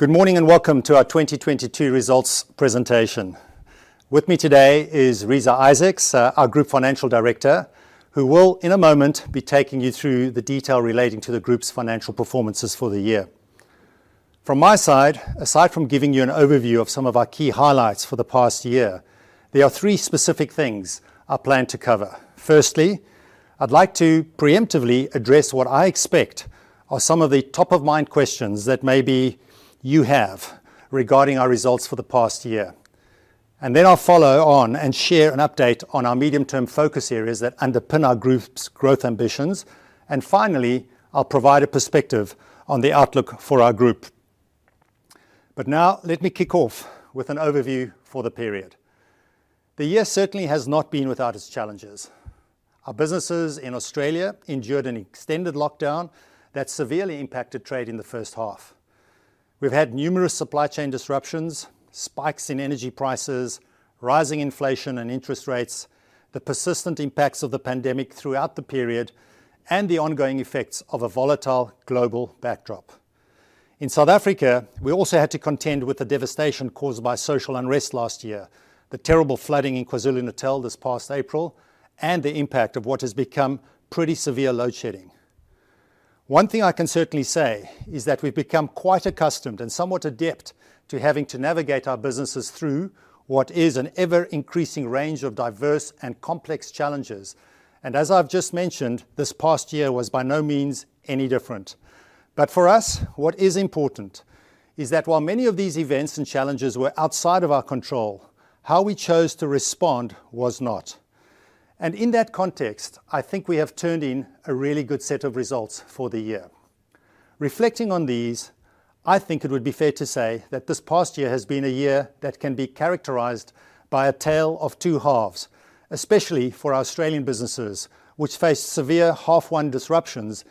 Good morning and welcome to our 2022 results presentation. With me today is Reeza Isaacs, our Group Finance Director, who will, in a moment, be taking you through the detail relating to the group's financial performances for the year. From my side, aside from giving you an overview of some of our key highlights for the past year, there are three specific things I plan to cover. Firstly, I'd like to preemptively address what I expect are some of the top-of-mind questions that maybe you have regarding our results for the past year. Then I'll follow on and share an update on our medium-term focus areas that underpin our group's growth ambitions, and finally, I'll provide a perspective on the outlook for our group. Now let me kick off with an overview for the period. The year certainly has not been without its challenges. Our businesses in Australia endured an extended lockdown that severely impacted trade in the first half. We've had numerous supply chain disruptions, spikes in energy prices, rising inflation and interest rates, the persistent impacts of the pandemic throughout the period, and the ongoing effects of a volatile global backdrop. In South Africa, we also had to contend with the devastation caused by social unrest last year, the terrible flooding in KwaZulu-Natal this past April, and the impact of what has become pretty severe load shedding. One thing I can certainly say is that we've become quite accustomed and somewhat adept to having to navigate our businesses through what is an ever-increasing range of diverse and complex challenges. As I've just mentioned, this past year was by no means any different. For us, what is important is that while many of these events and challenges were outside of our control, how we chose to respond was not. In that context, I think we have turned in a really good set of results for the year. Reflecting on these, I think it would be fair to say that this past year has been a year that can be characterized by a tale of two halves, especially for our Australian businesses, which faced severe half one disruptions,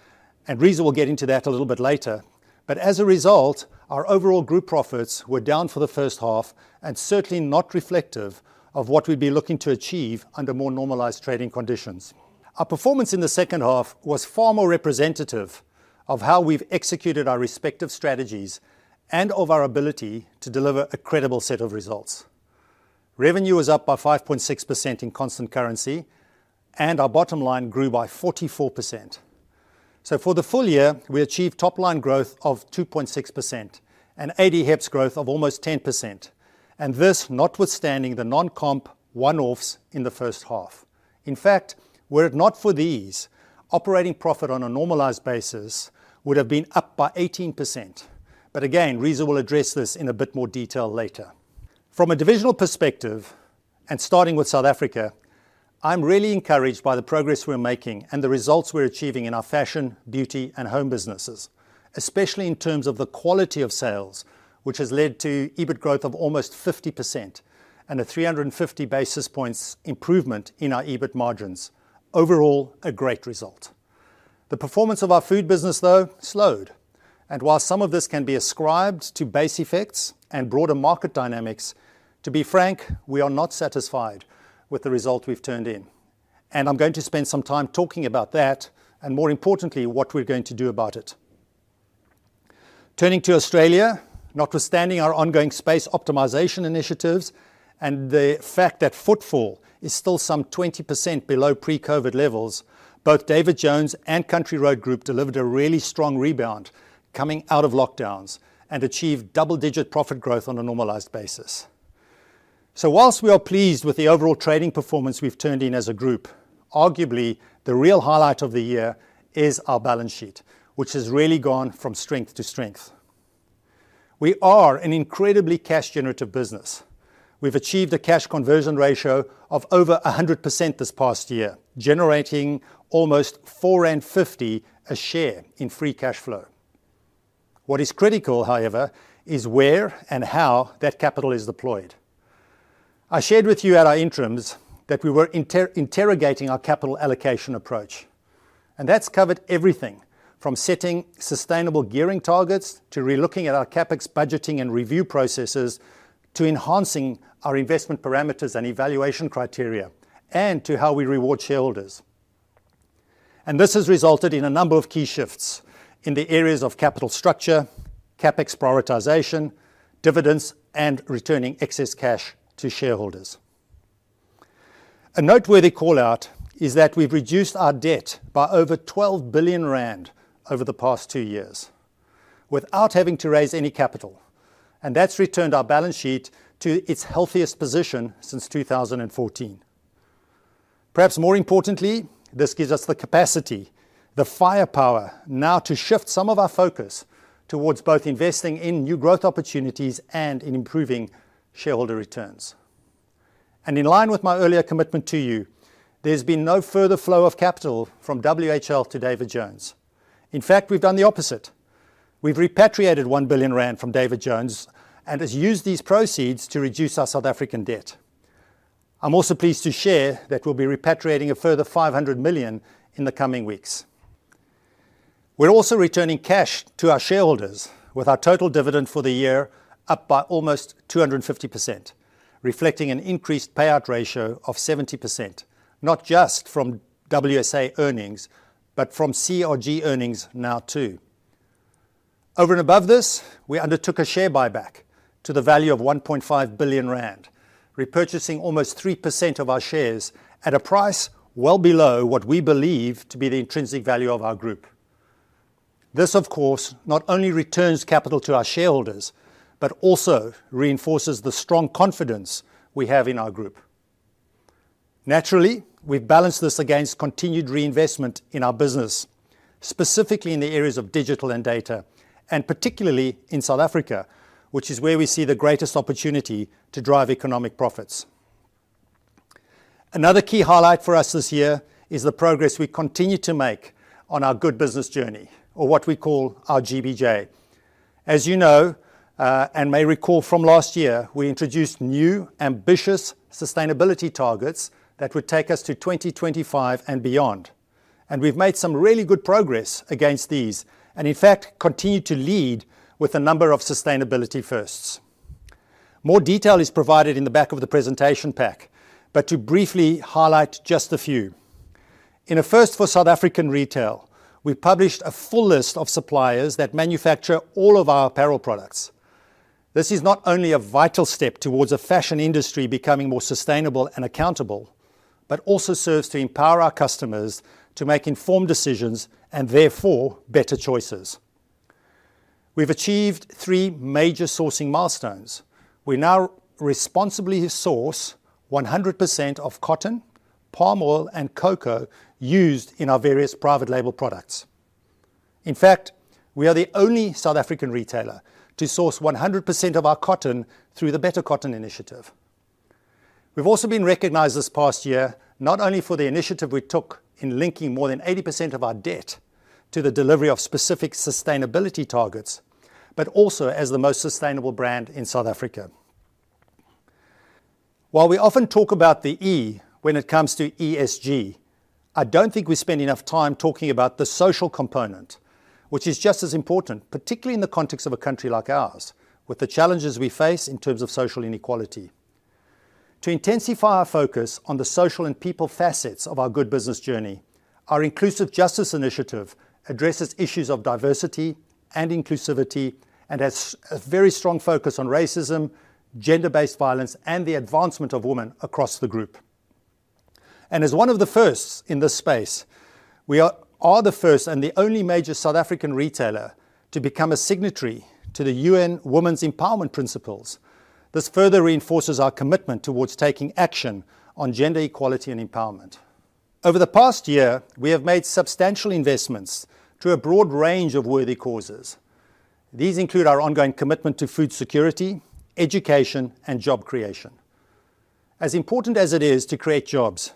and Reeza will get into that a little bit later. As a result, our overall group profits were down for the first half and certainly not reflective of what we'd be looking to achieve under more normalized trading conditions. Our performance in the second half was far more representative of how we've executed our respective strategies and of our ability to deliver a credible set of results. Revenue was up by 5.6% in constant currency, and our bottom line grew by 44%. For the full year, we achieved top-line growth of 2.6% and ADHEPS growth of almost 10%, and this notwithstanding the non-comp one-offs in the first half. In fact, were it not for these, operating profit on a normalized basis would have been up by 18%. Again, Reeza will address this in a bit more detail later. From a divisional perspective, and starting with South Africa, I'm really encouraged by the progress we're making and the results we're achieving in our fashion, beauty, and home businesses, especially in terms of the quality of sales, which has led to EBIT growth of almost 50% and a 350-basis points improvement in our EBIT margins. Overall, a great result. The performance of our food business, though, slowed. While some of this can be ascribed to base effects and broader market dynamics, to be frank, we are not satisfied with the result we've turned in. I'm going to spend some time talking about that, and more importantly, what we're going to do about it. Turning to Australia, notwithstanding our ongoing space optimization initiatives and the fact that footfall is still some 20% below pre-COVID levels, both David Jones and Country Road Group delivered a really strong rebound coming out of lockdowns and achieved double-digit profit growth on a normalized basis. While we are pleased with the overall trading performance we've turned in as a group, arguably the real highlight of the year is our balance sheet, which has really gone from strength to strength. We are an incredibly cash-generative business. We've achieved a cash conversion ratio of over 100% this past year, generating almost 4.50 a share in free cash flow. What is critical, however, is where and how that capital is deployed. I shared with you at our interims that we were interrogating our capital allocation approach, and that's covered everything from setting sustainable gearing targets, to relooking at our CapEx budgeting and review processes, to enhancing our investment parameters and evaluation criteria, and to how we reward shareholders. This has resulted in a number of key shifts in the areas of capital structure, CapEx prioritization, dividends, and returning excess cash to shareholders. A noteworthy call-out is that we've reduced our debt by over 12 billion rand over the past two years without having to raise any capital, and that's returned our balance sheet to its healthiest position since 2014. Perhaps more importantly, this gives us the capacity, the firepower now to shift some of our focus towards both investing in new growth opportunities and in improving shareholder returns. In line with my earlier commitment to you, there's been no further flow of capital from WHL to David Jones. In fact, we've done the opposite. We've repatriated 1 billion rand from David Jones and has used these proceeds to reduce our South African debt. I'm also pleased to share that we'll be repatriating a further 500 million in the coming weeks. We're also returning cash to our shareholders with our total dividend for the year up by almost 250%. Reflecting an increased payout ratio of 70%, not just from Woolworths South Africa earnings, but from CRG earnings now too. Over and above this, we undertook a share buyback to the value of 1.5 billion rand, repurchasing almost 3% of our shares at a price well below what we believe to be the intrinsic value of our group. This, of course, not only returns capital to our shareholders, but also reinforces the strong confidence we have in our group. Naturally, we've balanced this against continued reinvestment in our business, specifically in the areas of digital and data, and particularly in South Africa, which is where we see the greatest opportunity to drive economic profits. Another key highlight for us this year is the progress we continue to make on our good business journey, or what we call our GBJ. As you know, and may recall from last year, we introduced new, ambitious sustainability targets that would take us to 2025 and beyond, and we've made some really good progress against these and, in fact, continue to lead with a number of sustainability firsts. More detail is provided in the back of the presentation pack, but to briefly highlight just a few. In a first for South African retail, we published a full list of suppliers that manufacture all of our apparel products. This is not only a vital step towards a fashion industry becoming more sustainable and accountable but also serves to empower our customers to make informed decisions and therefore better choices. We've achieved three major sourcing milestones. We now responsibly source 100% of cotton, palm oil, and cocoa used in our various private label products. In fact, we are the only South African retailer to source 100% of our cotton through the Better Cotton Initiative. We've also been recognized this past year, not only for the initiative we took in linking more than 80% of our debt to the delivery of specific sustainability targets, but also as the most sustainable brand in South Africa. While we often talk about the E when it comes to ESG, I don't think we spend enough time talking about the social component, which is just as important, particularly in the context of a country like ours, with the challenges we face in terms of social inequality. To intensify our focus on the social and people facets of our good business journey, our Inclusive Justice Initiative addresses issues of diversity and inclusivity and has a very strong focus on racism, gender-based violence, and the advancement of women across the group. As one of the first in this space, we are the first and the only major South African retailer to become a signatory to the UN Women's Empowerment Principles. This further reinforces our commitment towards taking action on gender equality and empowerment. Over the past year, we have made substantial investments to a broad range of worthy causes. These include our ongoing commitment to food security, education, and job creation. As important as it is to create jobs,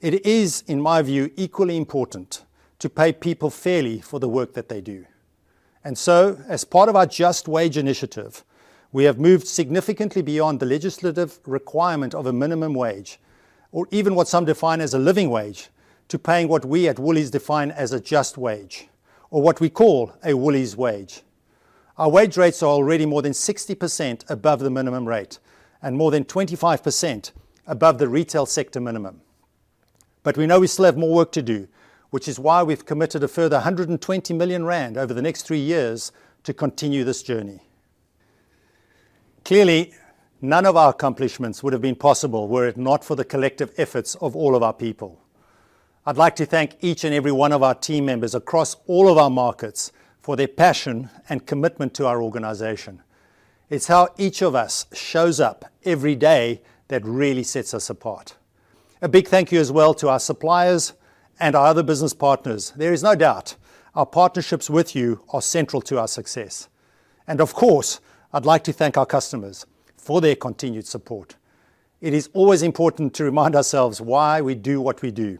it is, in my view, equally important to pay people fairly for the work that they do. As part of our Just Wage initiative, we have moved significantly beyond the legislative requirement of a minimum wage, or even what some define as a living wage, to paying what we at Woolies define as a just wage, or what we call a Woolies wage. Our wage rates are already more than 60% above the minimum rate and more than 25% above the retail sector minimum. We know we still have more work to do, which is why we've committed a further 120 million rand over the next three years to continue this journey. Clearly, none of our accomplishments would have been possible were it not for the collective efforts of all of our people. I'd like to thank each and every one of our team members across all of our markets for their passion and commitment to our organization. It's how each of us shows up every day that really sets us apart. A big thank you as well to our suppliers and our other business partners. There is no doubt our partnerships with you are central to our success. Of course, I'd like to thank our customers for their continued support. It is always important to remind ourselves why we do what we do.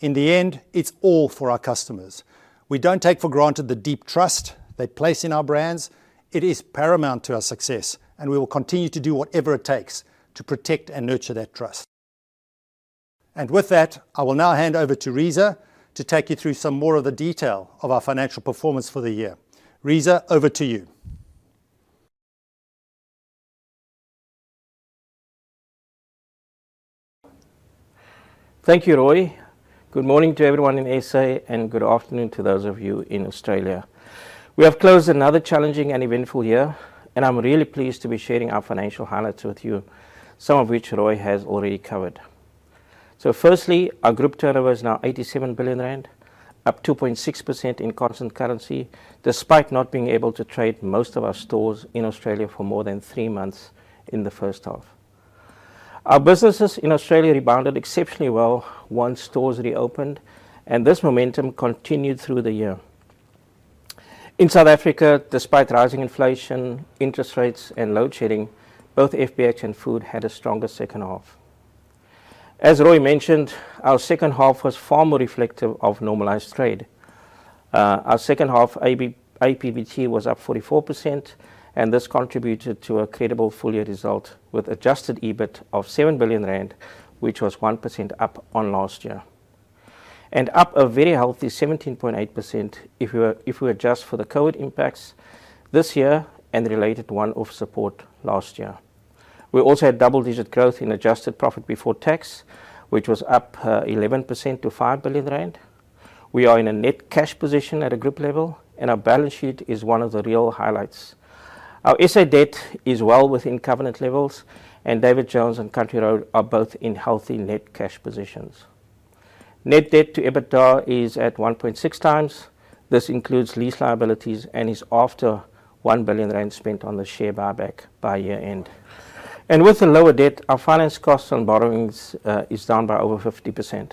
In the end, it's all for our customers. We don't take for granted the deep trust they place in our brands. It is paramount to our success, and we will continue to do whatever it takes to protect and nurture that trust. With that, I will now hand over to Reeza to take you through some more of the detail of our financial performance for the year. Reeza, over to you. Thank you, Roy. Good morning to everyone in SA, and good afternoon to those of you in Australia. We have closed another challenging and eventful year, and I'm really pleased to be sharing our financial highlights with you, some of which Roy has already covered. Firstly, our group turnover is now 87 billion rand, up 2.6% in constant currency, despite not being able to trade most of our stores in Australia for more than three months in the first half. Our businesses in Australia rebounded exceptionally well once stores reopened, and this momentum continued through the year. In South Africa, despite rising inflation, interest rates, and load shedding, both FBH and Food had a stronger second half. As Roy mentioned, our second half was far more reflective of normalized trade. Our second half APBT was up 44%, and this contributed to a credible full year result with adjusted EBIT of 7 billion rand, which was 1% up on last year. Up a very healthy 17.8% if we adjust for the COVID impacts this year and the related one-off support last year. We also had double-digit growth in adjusted profit before tax, which was up 11% to 5 billion rand. We are in a net cash position at a group level, and our balance sheet is one of the real highlights. Our SA debt is well within covenant levels, and David Jones and Country Road are both in healthy net cash positions. Net debt to EBITDA is at 1.6 times. This includes lease liabilities and is after 1 billion rand spent on the share buyback by year-end. With the lower debt, our finance costs and borrowings is down by over 50%.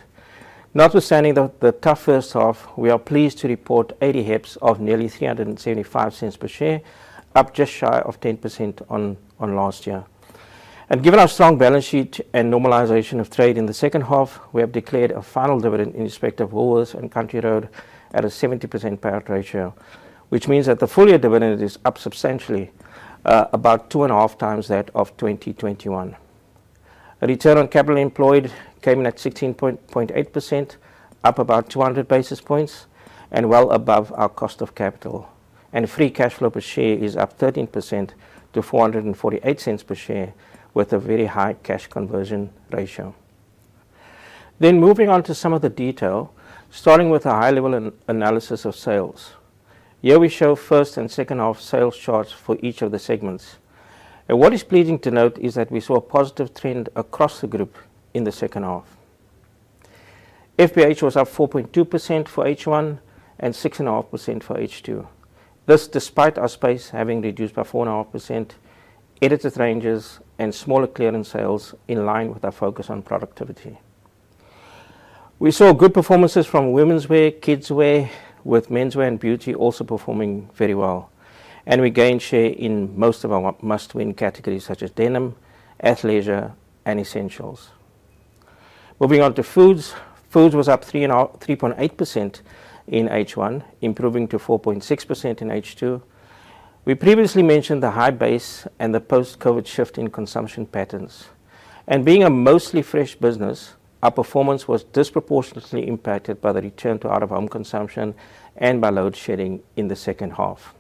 Notwithstanding the tough first half, we are pleased to report 80 HEPS of nearly 375 cents per share, up just shy of 10% on last year. Given our strong balance sheet and normalization of trade in the second half, we have declared a final dividend in respect of Woolworths and Country Road at a 70% payout ratio, which means that the full year dividend is up substantially, about two and a half times that of 2021. Return on capital employed came in at 16.8%, up about 200 basis points and well above our cost of capital. Free cash flow per share is up 13% to 4.48 per share with a very high cash conversion ratio. Moving on to some of the detail, starting with a high-level analysis of sales. Here we show first and second half sales charts for each of the segments. What is pleasing to note is that we saw a positive trend across the group in the second half. FBH was up 4.2% for H1 and 6.5% for H2. This despite our space having reduced by 4.5%, edited ranges and smaller clearance sales in line with our focus on productivity. We saw good performances from womenswear, kidswear, with menswear and beauty also performing very well. We gained share in most of our must-win categories such as denim, athleisure and essentials. Moving on to Foods. Foods was up 3.8% in H1, improving to 4.6% in H2. We previously mentioned the high base and the post-COVID shift in consumption patterns. Being a mostly fresh business, our performance was disproportionately impacted by the return to out-of-home consumption and by load shedding in the second half.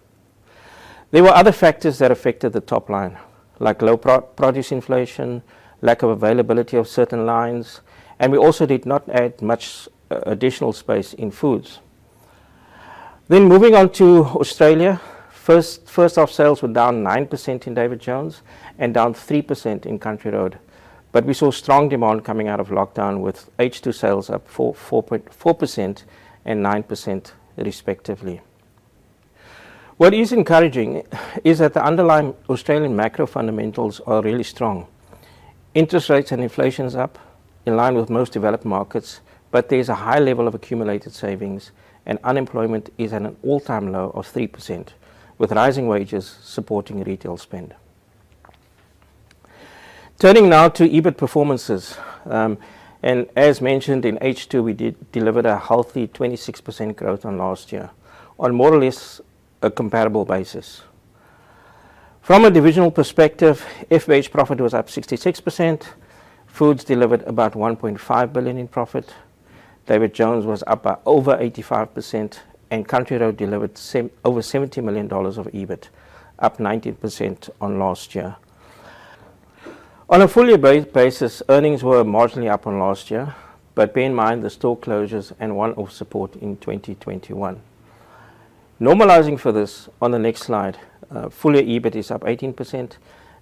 There were other factors that affected the top line, like low produce inflation, lack of availability of certain lines, and we also did not add much additional space in Foods. Moving on to Australia. First half sales were down 9% in David Jones and down 3% in Country Road. We saw strong demand coming out of lockdown, with H2 sales up 4% and 9% respectively. What is encouraging is that the underlying Australian macro fundamentals are really strong. Interest rates and inflation is up in line with most developed markets, but there's a high level of accumulated savings, and unemployment is at an all-time low of 3%, with rising wages supporting retail spend. Turning now to EBIT performances. And as mentioned in H2, we did deliver a healthy 26% growth on last year on more or less a comparable basis. From a divisional perspective, FBH profit was up 66%. Foods delivered about 1.5 billion in profit. David Jones was up by over 85%, and Country Road delivered over 70 million dollars of EBIT, up 19% on last year. On a full year basis, earnings were marginally up on last year, but bear in mind the store closures and one-off support in 2021. Normalizing for this on the next slide, full year EBIT is up 18%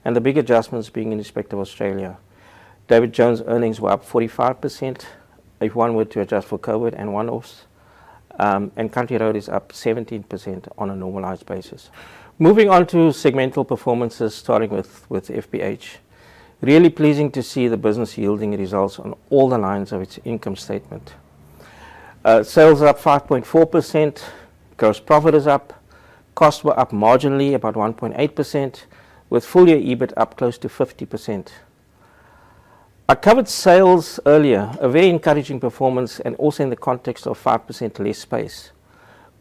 and the big adjustments being in respect of Australia. David Jones earnings were up 45% if one were to adjust for COVID and one-offs. Country Road is up 17% on a normalized basis. Moving on to segmental performances, starting with FBH. Really pleasing to see the business yielding results on all the lines of its income statement. Sales are up 5.4%, gross profit is up, costs were up marginally, about 1.8%, with full year EBIT up close to 50%. I covered sales earlier, a very encouraging performance and also in the context of 5% less space.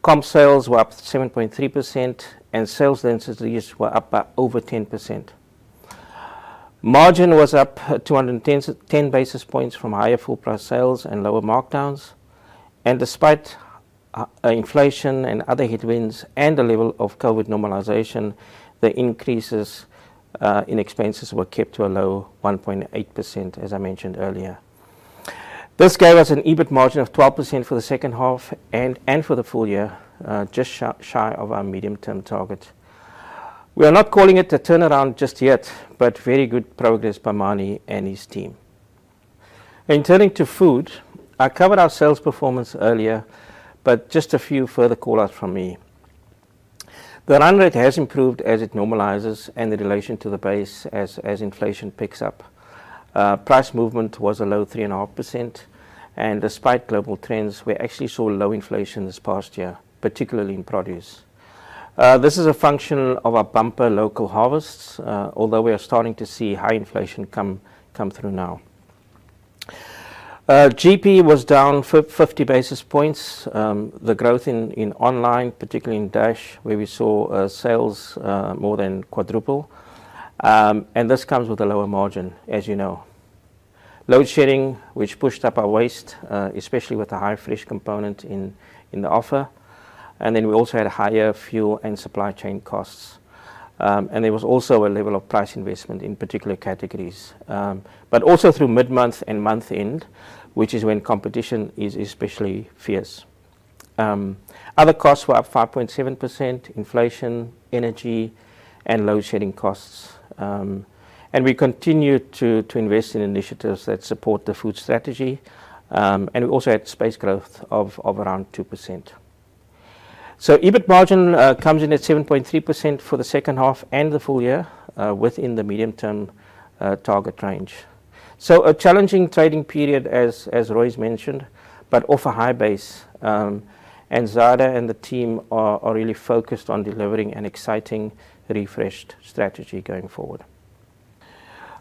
Comp sales were up 7.3% and sales densities were up by over 10%. Margin was up 210-basis points from higher full price sales and lower markdowns. Despite inflation and other headwinds and the level of COVID normalization, the increases in expenses were kept to a low 1.8%, as I mentioned earlier. This gave us an EBIT margin of 12% for the second half and for the full year just shy of our medium-term target. We are not calling it a turnaround just yet, but very good progress by Zaid Manjra and his team. In turning to Food, I covered our sales performance earlier, but just a few further callouts from me. The run rate has improved as it normalizes and the relative to the base as inflation picks up. Price movement was a low 3.5%, and despite global trends, we actually saw low inflation this past year, particularly in produce. This is a function of our bumper local harvests, although we are starting to see high inflation come through now. GP was down 50-basis points. The growth in online, particularly in Dash, where we saw sales more than quadruple. This comes with a lower margin, as you know. Load shedding, which pushed up our waste, especially with the high fresh component in the offer. Then we also had higher fuel and supply chain costs. There was also a level of price investment in particular categories, but also through mid-month and month-end, which is when competition is especially fierce. Other costs were up 5.7%, inflation, energy and load shedding costs. We continued to invest in initiatives that support the food strategy. We also had space growth of around 2%. EBIT margin comes in at 7.3% for the second half and the full year, within the medium-term target range. A challenging trading period as Roy has mentioned, but off a high base. Zyda and the team are really focused on delivering an exciting refreshed strategy going forward.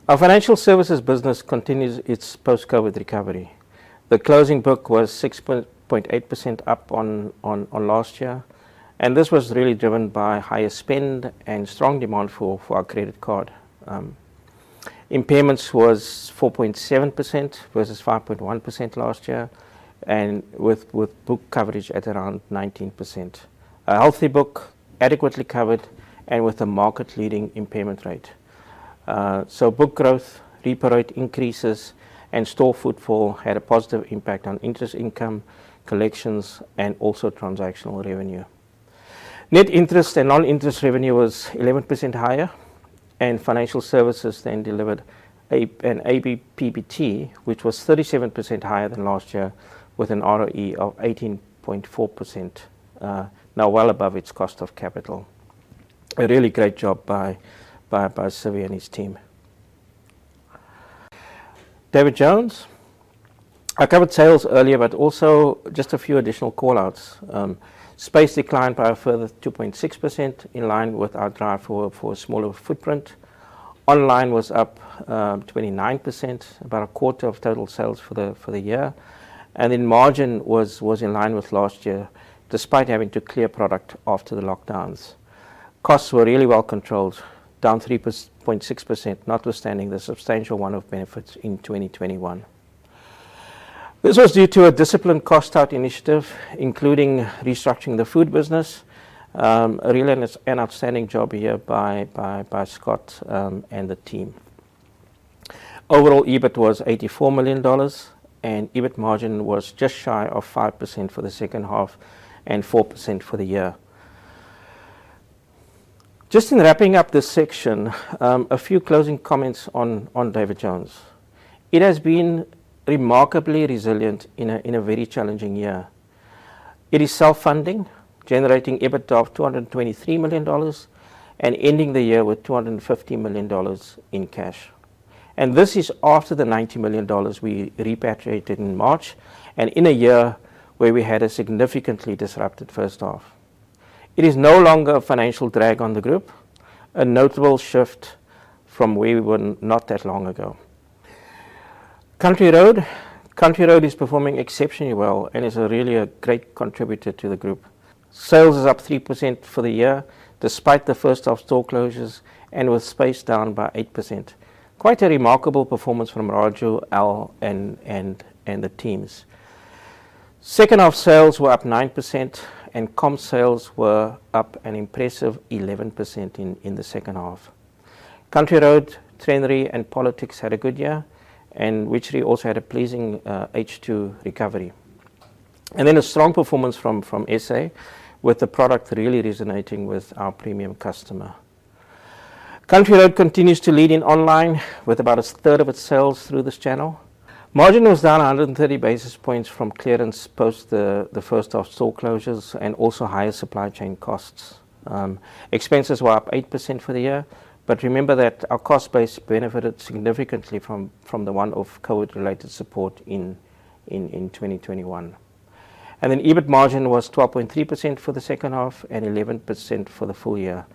Our financial services business continues its post-COVID recovery. The closing book was 6.8% up on last year, and this was really driven by higher spend and strong demand for our credit card. Impairments was 4.7% versus 5.1% last year, and with book coverage at around 19%. A healthy book, adequately covered, and with a market-leading impairment rate. Book growth, repo rate increases, and store footfall had a positive impact on interest income, collections and also transactional revenue. Net interest and non-interest revenue was 11% higher, and financial services then delivered an ABPBT, which was 37% higher than last year with an ROE of 18.4%, now well above its cost of capital. A really great job by Sivi and his team. David Jones. I covered sales earlier, but also just a few additional callouts. Space declined by a further 2.6%, in line with our drive for a smaller footprint. Online was up 29%, about a quarter of total sales for the year. Margin was in line with last year, despite having to clear product after the lockdowns. Costs were really well controlled, down 3.6%, notwithstanding the substantial one-off benefits in 2021. This was due to a disciplined cost out initiative, including restructuring the food business. Really an outstanding job here by Scott and the team. Overall, EBIT was 84 million dollars, and EBIT margin was just shy of 5% for the second half and 4% for the year. Just in wrapping up this section, a few closing comments on David Jones. It has been remarkably resilient in a very challenging year. It is self-funding, generating EBIT of 223 million dollars and ending the year with 250 million dollars in cash. This is after the 90 million dollars we repatriated in March and in a year where we had a significantly disrupted first half. It is no longer a financial drag on the group, a notable shift from where we were not that long ago. Country Road. Country Road is performing exceptionally well and is really a great contributor to the group. Sales is up 3% for the year, despite the first-half store closures and with space down by 8%. Quite a remarkable performance from Raju, Al and the teams. Second-half sales were up 9%, and comps sales were up an impressive 11% in the second half. Country Road, Trenery and POLITIX had a good year, and Witchery also had a pleasing H2 recovery. A strong performance from Esey with the product really resonating with our premium customer. Country Road continues to lead in online with about a third of its sales through this channel. Margin was down 130-basis points from clearance post the first-half store closures and also higher supply chain costs. Expenses were up 8% for the year but remember that our cost base benefited significantly from the one-off COVID-related support in 2021. EBIT margin was 12.3% for the second half and 11% for the full year.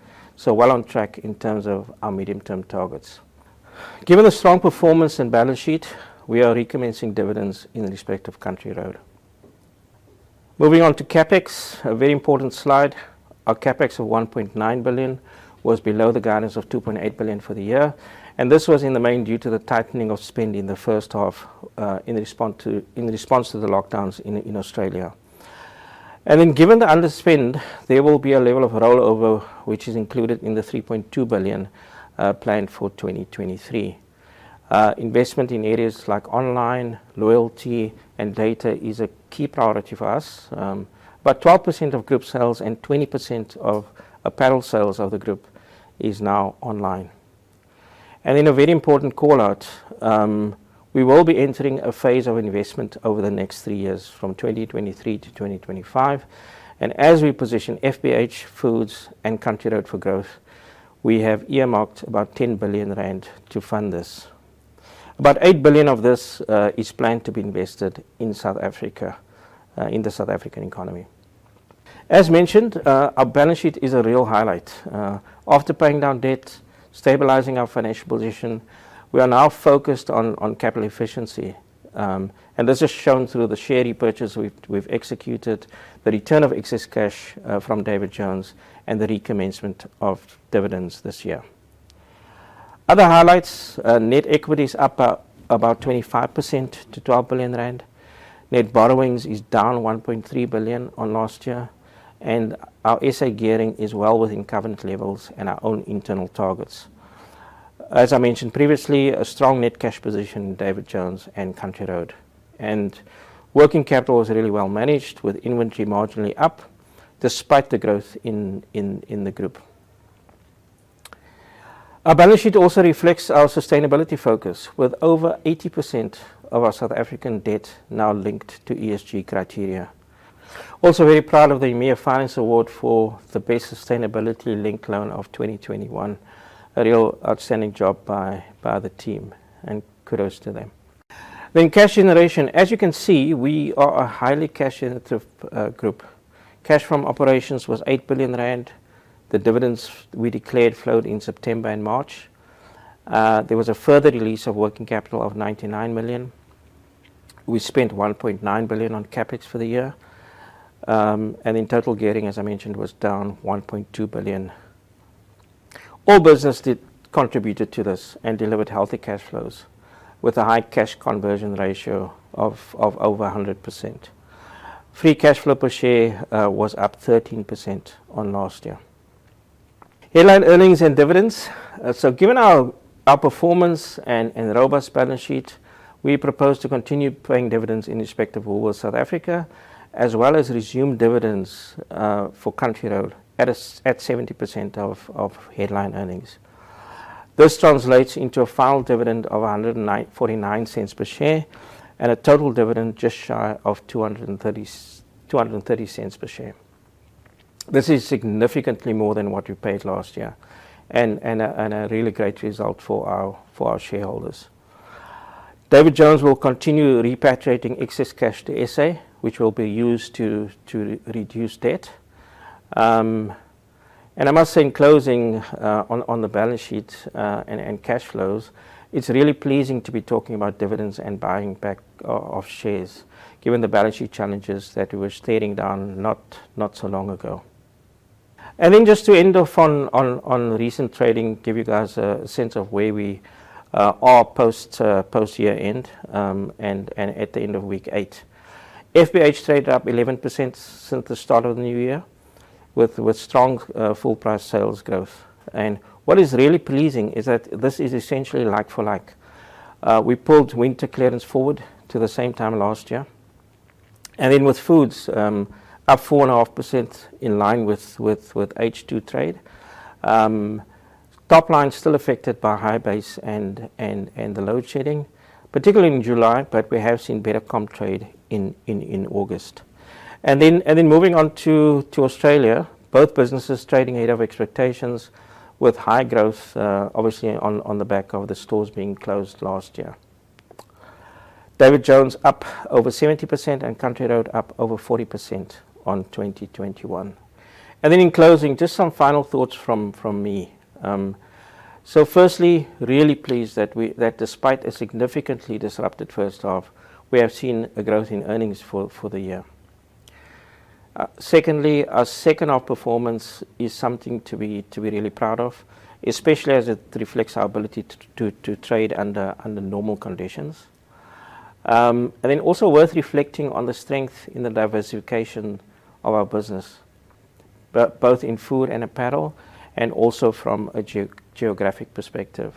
Well on track in terms of our medium-term targets. Given the strong performance and balance sheet, we are recommencing dividends in respect of Country Road. Moving on to CapEx, a very important slide. Our CapEx of 1.9 billion was below the guidance of 2.8 billion for the year, and this was in the main due to the tightening of spend in the first half, in response to the lockdowns in Australia. Given the underspend, there will be a level of rollover which is included in the 3.2 billion planned for 2023. Investment in areas like online, loyalty and data is a key priority for us. 12% of group sales and 20% of apparel sales of the group is now online. A very important call-out, we will be entering a phase of investment over the next three years from 2023 to 2025. As we position FBH, Foods and Country Road for growth, we have earmarked about 10 billion rand to fund this. About 8 billion of this is planned to be invested in South Africa, in the South African economy. As mentioned, our balance sheet is a real highlight. After paying down debt, stabilizing our financial position, we are now focused on capital efficiency. This is shown through the share repurchase we've executed, the return of excess cash from David Jones, and the recommencement of dividends this year. Other highlights, net equity is up about 25% to 12 billion rand. Net borrowings is down 1.3 billion on last year, and our SA gearing is well within covenant levels and our own internal targets. As I mentioned previously, a strong net cash position in David Jones and Country Road. Working capital is really well managed with inventory marginally up despite the growth in the group. Our balance sheet also reflects our sustainability focus with over 80% of our South African debt now linked to ESG criteria. Also, very proud of the EMEA Finance Award for the Best Sustainability Linked Loan of 2021. A real outstanding job by the team, and kudos to them. Cash generation. As you can see, we are a highly cash generative group. Cash from operations was 8 billion rand. The dividends we declared flowed in September and March. There was a further release of working capital of 99 million. We spent 1.9 billion on CapEx for the year. In total gearing, as I mentioned, was down 1.2 billion. All business units contributed to this and delivered healthy cash flows with a high cash conversion ratio of over 100%. Free cash flow per share was up 13% on last year. Headline earnings and dividends. Given our performance and robust balance sheet, we propose to continue paying dividends in respect of Woolworths South Africa, as well as resume dividends for Country Road at 70% of headline earnings. This translates into a final dividend of 1.49 per share, and a total dividend just shy of 2.30 per share. This is significantly more than what we paid last year and a really great result for our shareholders. David Jones will continue repatriating excess cash to SA, which will be used to reduce debt. I must say in closing, on the balance sheet and cash flows, it's really pleasing to be talking about dividends and buying back of shares given the balance sheet challenges that we were facing not so long ago. Then just to end off on recent trading, give you guys a sense of where we are post year-end and at the end of week eight. FBH trade up 11% since the start of the new year with strong full price sales growth. What is really pleasing is that this is essentially like for like. We pulled winter clearance forward to the same time last year. With Foods, up 4.5% in line with H2 trade. Top line still affected by high base and the load shedding, particularly in July, but we have seen better comp trade in August. Moving on to Australia, both businesses trading ahead of expectations with high growth, obviously on the back of the stores being closed last year. David Jones up over 70% and Country Road up over 40% on 2021. In closing, just some final thoughts from me. Firstly, really pleased that we that despite a significantly disrupted first half, we have seen a growth in earnings for the year. Secondly, our second half performance is something to be really proud of, especially as it reflects our ability to trade under normal conditions. Then also worth reflecting on the strength in the diversification of our business, both in food and apparel, and also from a geographic perspective.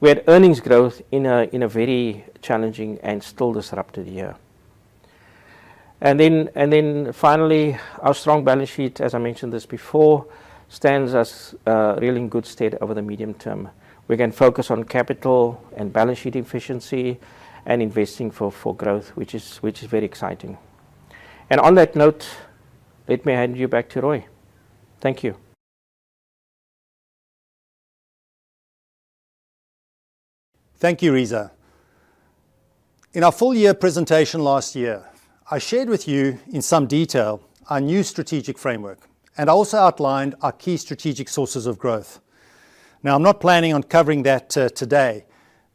We had earnings growth in a very challenging and still disrupted year. Finally, our strong balance sheet, as I mentioned this before, stands us really in good stead over the medium term. We can focus on capital and balance sheet efficiency and investing for growth, which is very exciting. On that note, let me hand you back to Roy. Thank you. Thank you, Reeza. In our full year presentation last year, I shared with you in some detail our new strategic framework and also outlined our key strategic sources of growth. Now, I'm not planning on covering that today,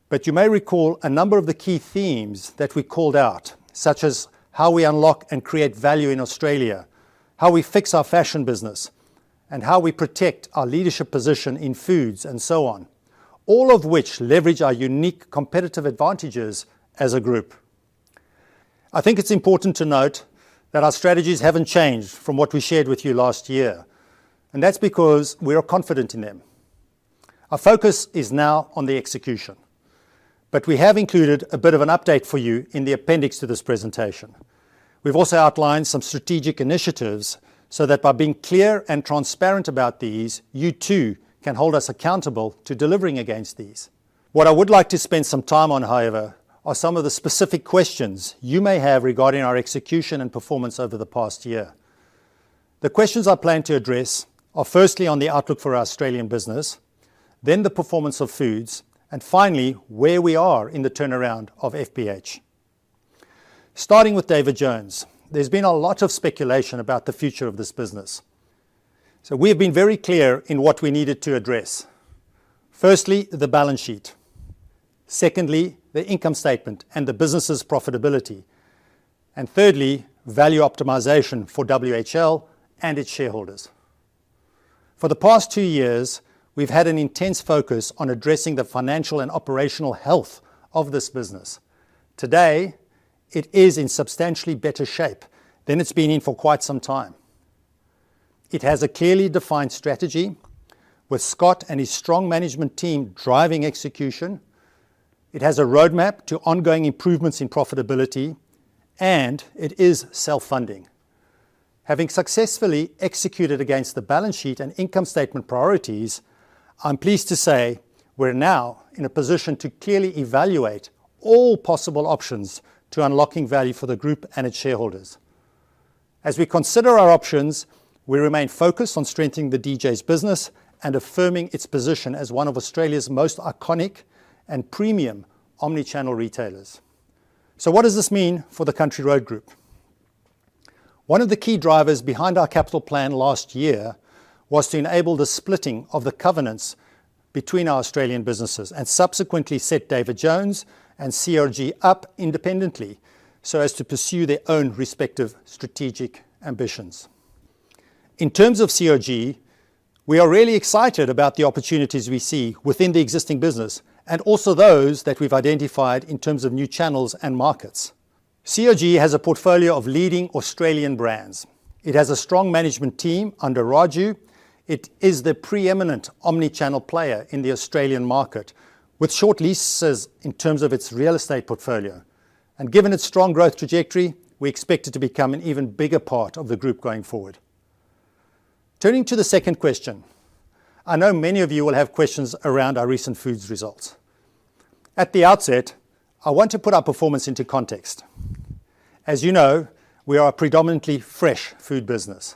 but you may recall a number of the key themes that we called out, such as how we unlock and create value in Australia, how we fix our fashion business, and how we protect our leadership position in foods, and so on. All of which leverage our unique competitive advantages as a group. I think it's important to note that our strategies haven't changed from what we shared with you last year, and that's because we are confident in them. Our focus is now on the execution. We have included a bit of an update for you in the appendix to this presentation. We've also outlined some strategic initiatives so that by being clear and transparent about these, you too can hold us accountable to delivering against these. What I would like to spend some time on, however, are some of the specific questions you may have regarding our execution and performance over the past year. The questions I plan to address are firstly on the outlook for our Australian business, then the performance of Foods, and finally, where we are in the turnaround of FBH. Starting with David Jones, there's been a lot of speculation about the future of this business. So, we have been very clear in what we needed to address. Firstly, the balance sheet. Secondly, the income statement and the business's profitability. And thirdly, value optimization for WHL and its shareholders. For the past two years, we've had an intense focus on addressing the financial and operational health of this business. Today, it is in substantially better shape than it's been in for quite some time. It has a clearly defined strategy, with Scott and his strong management team driving execution. It has a roadmap to ongoing improvements in profitability, and it is self-funding. Having successfully executed against the balance sheet and income statement priorities, I'm pleased to say we're now in a position to clearly evaluate all possible options to unlocking value for the group and its shareholders. As we consider our options, we remain focused on strengthening the DJ's business and affirming its position as one of Australia's most iconic and premium omni-channel retailers. What does this mean for the Country Road Group? One of the key drivers behind our capital plan last year was to enable the splitting of the covenants between our Australian businesses and subsequently set David Jones and CRG up independently so as to pursue their own respective strategic ambitions. In terms of CRG, we are really excited about the opportunities we see within the existing business and also those that we've identified in terms of new channels and markets. CRG has a portfolio of leading Australian brands. It has a strong management team under Raju. It is the preeminent omni-channel player in the Australian market, with short leases in terms of its real estate portfolio. Given its strong growth trajectory, we expect it to become an even bigger part of the group going forward. Turning to the second question. I know many of you will have questions around our recent Foods results. At the outset, I want to put our performance into context. As you know, we are a predominantly fresh food business.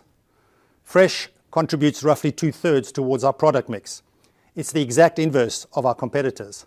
Fresh contributes roughly 2/3 towards our product mix. It's the exact inverse of our competitors.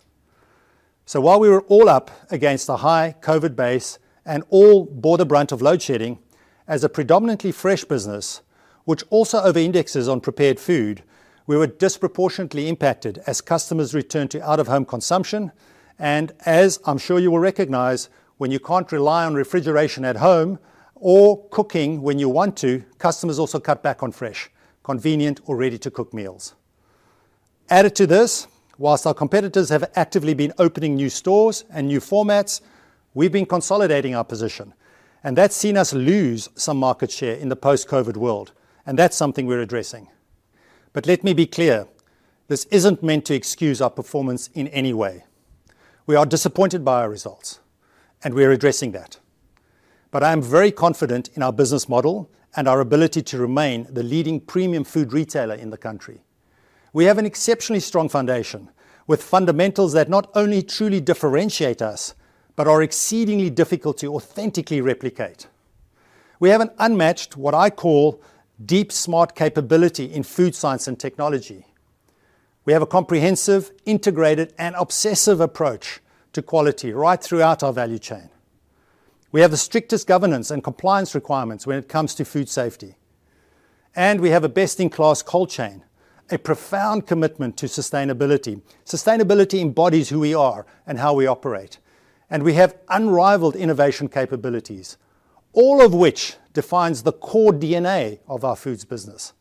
While we were all up against a high COVID base and all bore the brunt of load shedding, as a predominantly fresh business, which also overindexes on prepared food, we were disproportionately impacted as customers returned to out-of-home consumption, and as I'm sure you will recognize, when you can't rely on refrigeration at home or cooking when you want to, customers also cut back on fresh, convenient, or ready-to-cook meals. Added to this, while our competitors have actively been opening new stores and new formats, we've been consolidating our position, and that's seen us lose some market share in the post-COVID world, and that's something we're addressing. Let me be clear, this isn't meant to excuse our performance in any way. We are disappointed by our results, and we are addressing that. I am very confident in our business model and our ability to remain the leading premium food retailer in the country. We have an exceptionally strong foundation with fundamentals that not only truly differentiate us but are exceedingly difficult to authentically replicate. We have an unmatched, what I call, deep, smart capability in food science and technology. We have a comprehensive, integrated, and obsessive approach to quality right throughout our value chain. We have the strictest governance and compliance requirements when it comes to food safety. We have a best-in-class cold chain, a profound commitment to sustainability. Sustainability embodies who we are and how we operate, and we have unrivaled innovation capabilities, all of which defines the core DNA of our foods business.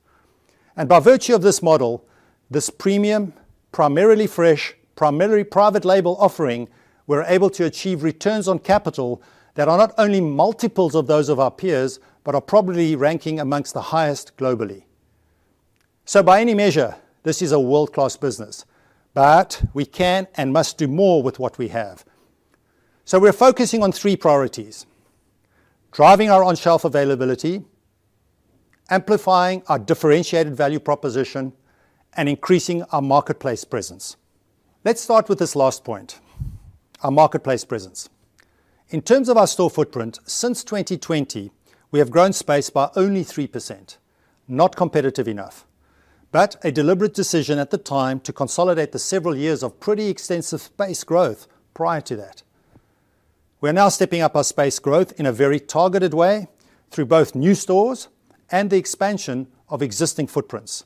By virtue of this model, this premium, primarily fresh, primarily private label offering, we're able to achieve returns on capital that are not only multiples of those of our peers but are probably ranking amongst the highest globally. By any measure, this is a world-class business, but we can and must do more with what we have. We're focusing on three priorities, driving our on-shelf availability, amplifying our differentiated value proposition, and increasing our marketplace presence. Let's start with this last point, our marketplace presence. In terms of our store footprint, since 2020, we have grown space by only 3%. Not competitive enough, but a deliberate decision at the time to consolidate the several years of pretty extensive space growth prior to that. We are now stepping up our space growth in a very targeted way through both new stores and the expansion of existing footprints,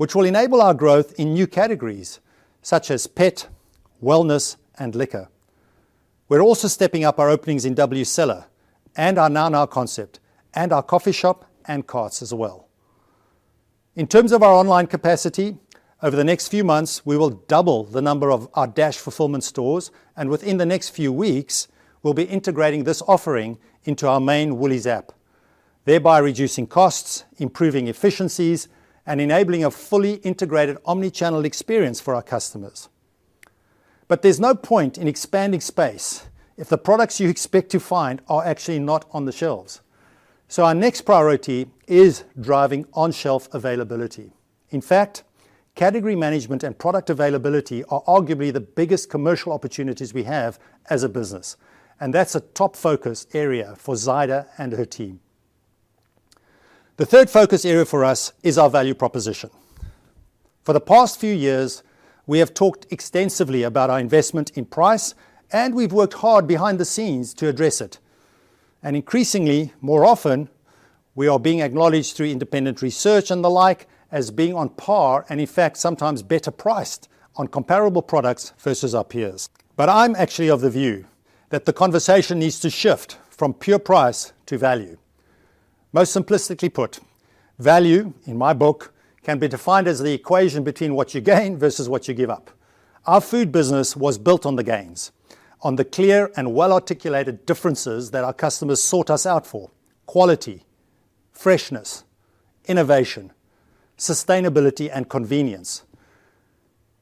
which will enable our growth in new categories such as pet, wellness, and liquor. We're also stepping up our openings in WCellar and our Now Now concept and our coffee shop and carts as well. In terms of our online capacity, over the next few months, we will double the number of our dash fulfillment stores, and within the next few weeks, we'll be integrating this offering into our main Woolies app, thereby reducing costs, improving efficiencies, and enabling a fully integrated omni-channel experience for our customers. There's no point in expanding space if the products you expect to find are actually not on the shelves. Our next priority is driving on-shelf availability. In fact, category management and product availability are arguably the biggest commercial opportunities we have as a business, and that's a top focus area for Zyda and her team. The third focus area for us is our value proposition. For the past few years, we have talked extensively about our investment in price, and we've worked hard behind the scenes to address it. Increasingly, more often, we are being acknowledged through independent research and the like as being on par, and in fact, sometimes better priced on comparable products versus our peers. I'm actually of the view that the conversation needs to shift from pure price to value. Most simplistically put, value, in my book, can be defined as the equation between what you gain versus what you give up. Our food business was built on the gains, on the clear and well-articulated differences that our customers sought us out for, quality, freshness, innovation, sustainability, and convenience.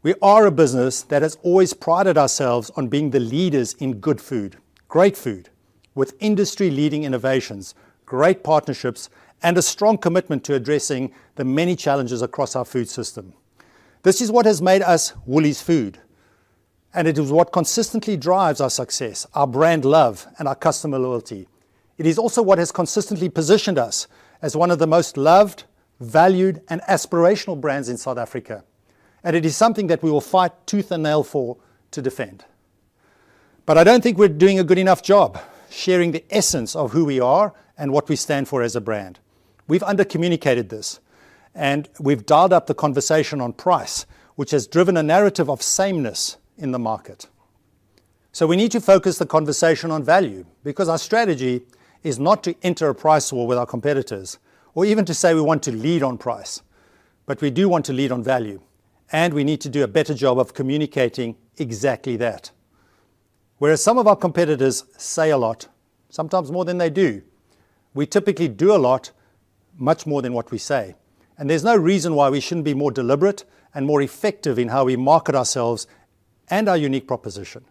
We are a business that has always prided ourselves on being the leaders in good food, great food, with industry-leading innovations, great partnerships, and a strong commitment to addressing the many challenges across our food system. This is what has made us Woolies Food, and it is what consistently drives our success, our brand love, and our customer loyalty. It is also what has consistently positioned us as one of the most loved, valued, and aspirational brands in South Africa, and it is something that we will fight tooth and nail for to defend. I don't think we're doing a good enough job sharing the essence of who we are and what we stand for as a brand. We've under-communicated this, and we've dialed up the conversation on price, which has driven a narrative of sameness in the market. We need to focus the conversation on value because our strategy is not to enter a price war with our competitors or even to say we want to lead on price, but we do want to lead on value, and we need to do a better job of communicating exactly that. Whereas some of our competitors say a lot, sometimes more than they do, we typically do a lot, much more than what we say, and there's no reason why we shouldn't be more deliberate and more effective in how we market ourselves and our unique proposition.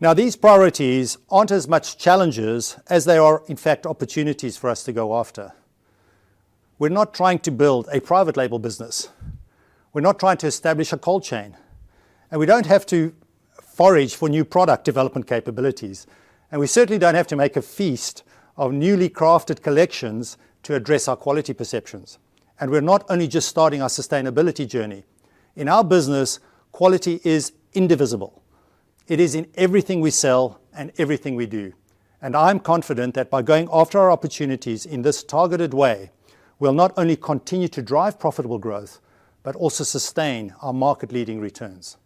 Now, these priorities aren't as much challenges as they are, in fact, opportunities for us to go after. We're not trying to build a private label business. We're not trying to establish a cold chain. We don't have to forage for new product development capabilities. We certainly don't have to make a feast of newly crafted collections to address our quality perceptions. We're not only just starting our sustainability journey. In our business, quality is indivisible. It is in everything we sell and everything we do. I'm confident that by going after our opportunities in this targeted way, we'll not only continue to drive profitable growth, but also sustain our market-leading returns.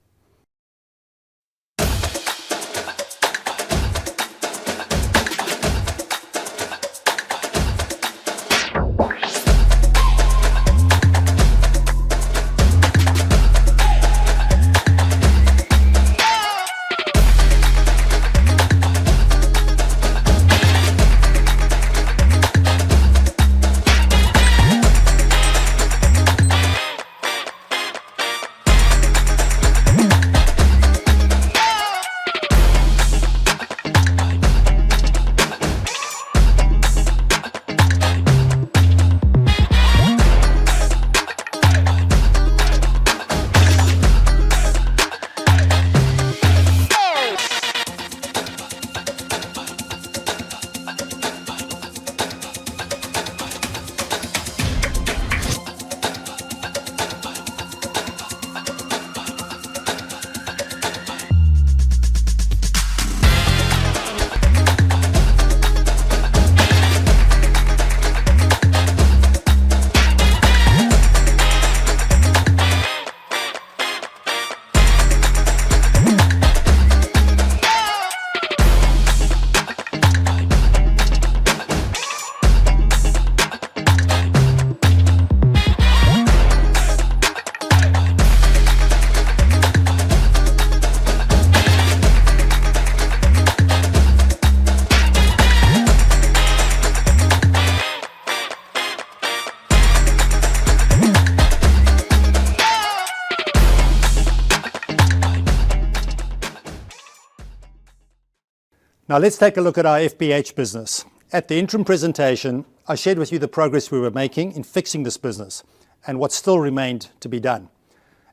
Now let's take a look at our FBH business. At the interim presentation, I shared with you the progress we were making in fixing this business and what still remained to be done.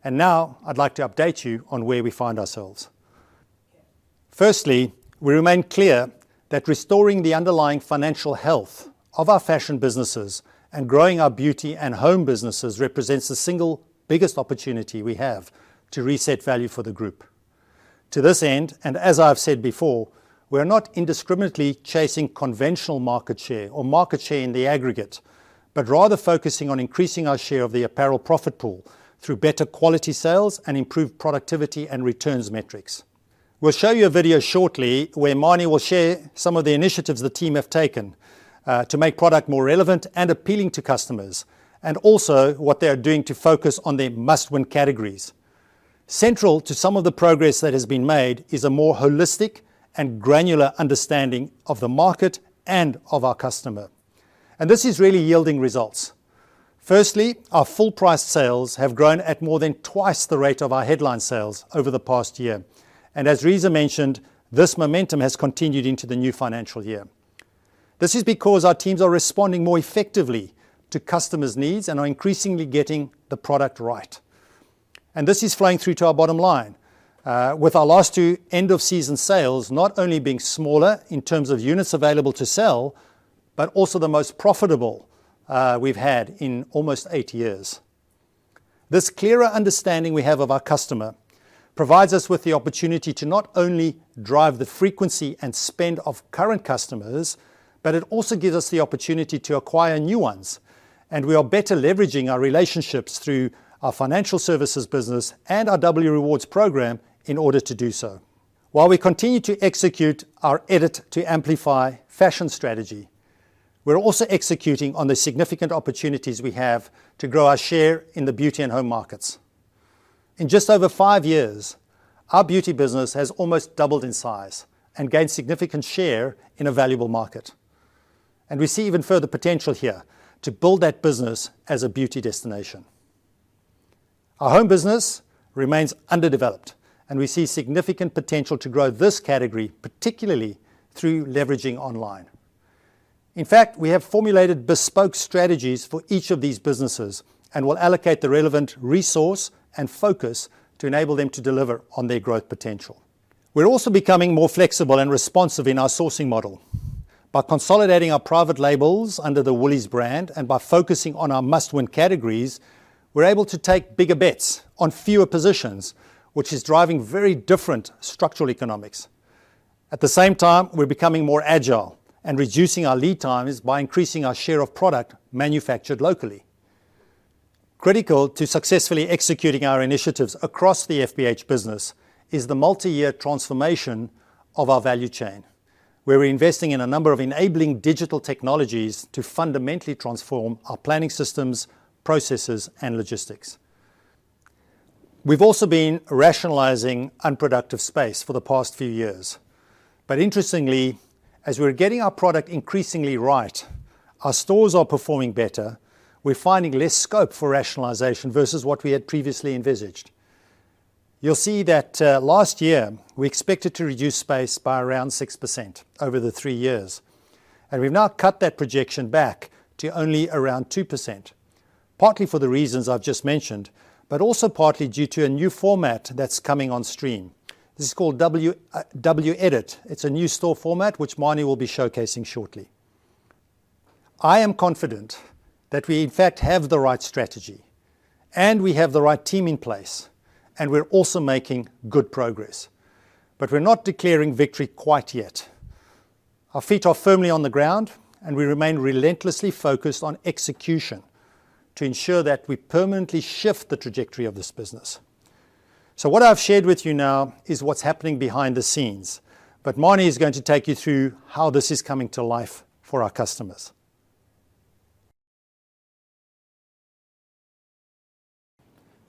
Now I'd like to update you on where we find ourselves. Firstly, we remain clear that restoring the underlying financial health of our fashion businesses and growing our beauty and home businesses represents the single biggest opportunity we have to reset value for the group. To this end, and as I've said before, we are not indiscriminately chasing conventional market share or market share in the aggregate but rather focusing on increasing our share of the apparel profit pool through better quality sales and improved productivity and returns metrics. We'll show you a video shortly where Manie will share some of the initiatives the team have taken, to make product more relevant and appealing to customers, and also what they are doing to focus on their must-win categories. Central to some of the progress that has been made is a more holistic and granular understanding of the market and of our customer. This is really yielding results. Firstly, our full price sales have grown at more than twice the rate of our headline sales over the past year. As Reeza mentioned, this momentum has continued into the new financial year. This is because our teams are responding more effectively to customers' needs and are increasingly getting the product right. This is flowing through to our bottom line, with our last two end of season sales not only being smaller in terms of units available to sell, but also the most profitable we've had in almost eight years. This clearer understanding we have of our customer provides us with the opportunity to not only drive the frequency and spend of current customers, but it also gives us the opportunity to acquire new ones, and we are better leveraging our relationships through our financial services business and our W Rewards program in order to do so. While we continue to execute our Edit to Amplify fashion strategy, we're also executing on the significant opportunities we have to grow our share in the beauty and home markets. In just over five years, our beauty business has almost doubled in size and gained significant share in a valuable market. We see even further potential here to build that business as a beauty destination. Our home business remains underdeveloped, and we see significant potential to grow this category, particularly through leveraging online. In fact, we have formulated bespoke strategies for each of these businesses and will allocate the relevant resource and focus to enable them to deliver on their growth potential. We're also becoming more flexible and responsive in our sourcing model. By consolidating our private labels under the Woolies brand and by focusing on our must-win categories, we're able to take bigger bets on fewer positions, which is driving very different structural economics. At the same time, we're becoming more agile and reducing our lead times by increasing our share of product manufactured locally. Critical to successfully executing our initiatives across the FBH business is the multi-year transformation of our value chain. We're investing in a number of enabling digital technologies to fundamentally transform our planning systems, processes, and logistics. We've also been rationalizing unproductive space for the past few years. Interestingly, as we're getting our product increasingly right, our stores are performing better. We're finding less scope for rationalization versus what we had previously envisaged. You'll see that, last year, we expected to reduce space by around 6% over the three years, and we've now cut that projection back to only around 2%, partly for the reasons I've just mentioned, but also partly due to a new format that's coming on stream. This is called W Edit. It's a new store format which Manie Maritz will be showcasing shortly. I am confident that we, in fact, have the right strategy, and we have the right team in place, and we're also making good progress. We're not declaring victory quite yet. Our feet are firmly on the ground, and we remain relentlessly focused on execution to ensure that we permanently shift the trajectory of this business. What I've shared with you now is what's happening behind the scenes, but Manie Maritz is going to take you through how this is coming to life for our customers.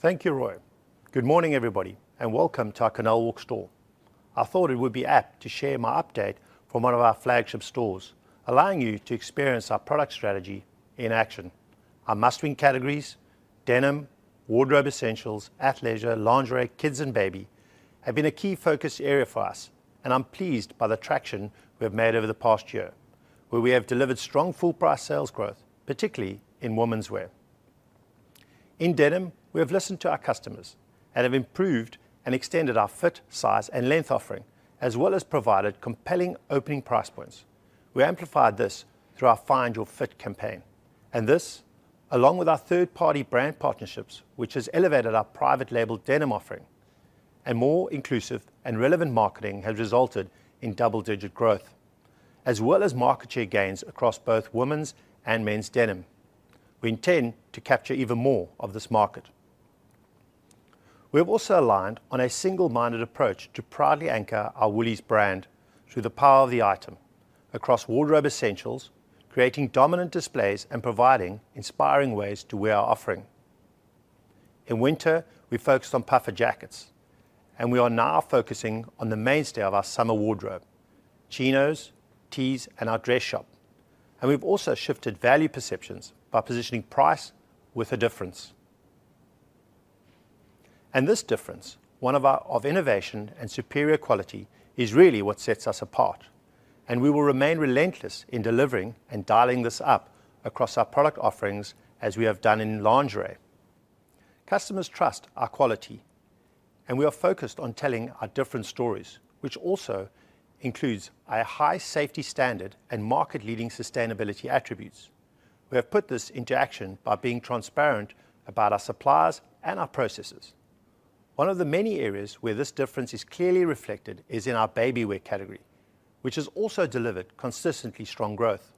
Thank you, Roy. Good morning, everybody, and welcome to our Canal Walk store. I thought it would be apt to share my update from one of our flagship stores, allowing you to experience our product strategy in action. Our must-win categories, denim, wardrobe essentials, athleisure, lingerie, kids, and baby, have been a key focus area for us, and I'm pleased by the traction we have made over the past year, where we have delivered strong full price sales growth, particularly in womenswear. In denim, we have listened to our customers and have improved and extended our fit, size, and length offering, as well as provided compelling opening price points. We amplified this through our Find Your Fit campaign. This, along with our third-party brand partnerships, which has elevated our private label denim offering, a more inclusive and relevant marketing has resulted in double-digit growth, as well as market share gains across both women's and men's denim. We intend to capture even more of this market. We have also aligned on a single-minded approach to proudly anchor our Woolies brand through the power of the item across wardrobe essentials, creating dominant displays and providing inspiring ways to wear our offering. In winter, we focused on puffer jackets, and we are now focusing on the mainstay of our summer wardrobe, chinos, tees, and our dress shop. We've also shifted value perceptions by positioning price with a difference. This difference, one of our areas of innovation and superior quality, is really what sets us apart, and we will remain relentless in delivering and dialing this up across our product offerings as we have done in lingerie. Customers trust our quality, and we are focused on telling our different stories, which also includes our high safety standard and market-leading sustainability attributes. We have put this into action by being transparent about our suppliers and our processes. One of the many areas where this difference is clearly reflected is in our baby wear category, which has also delivered consistently strong growth.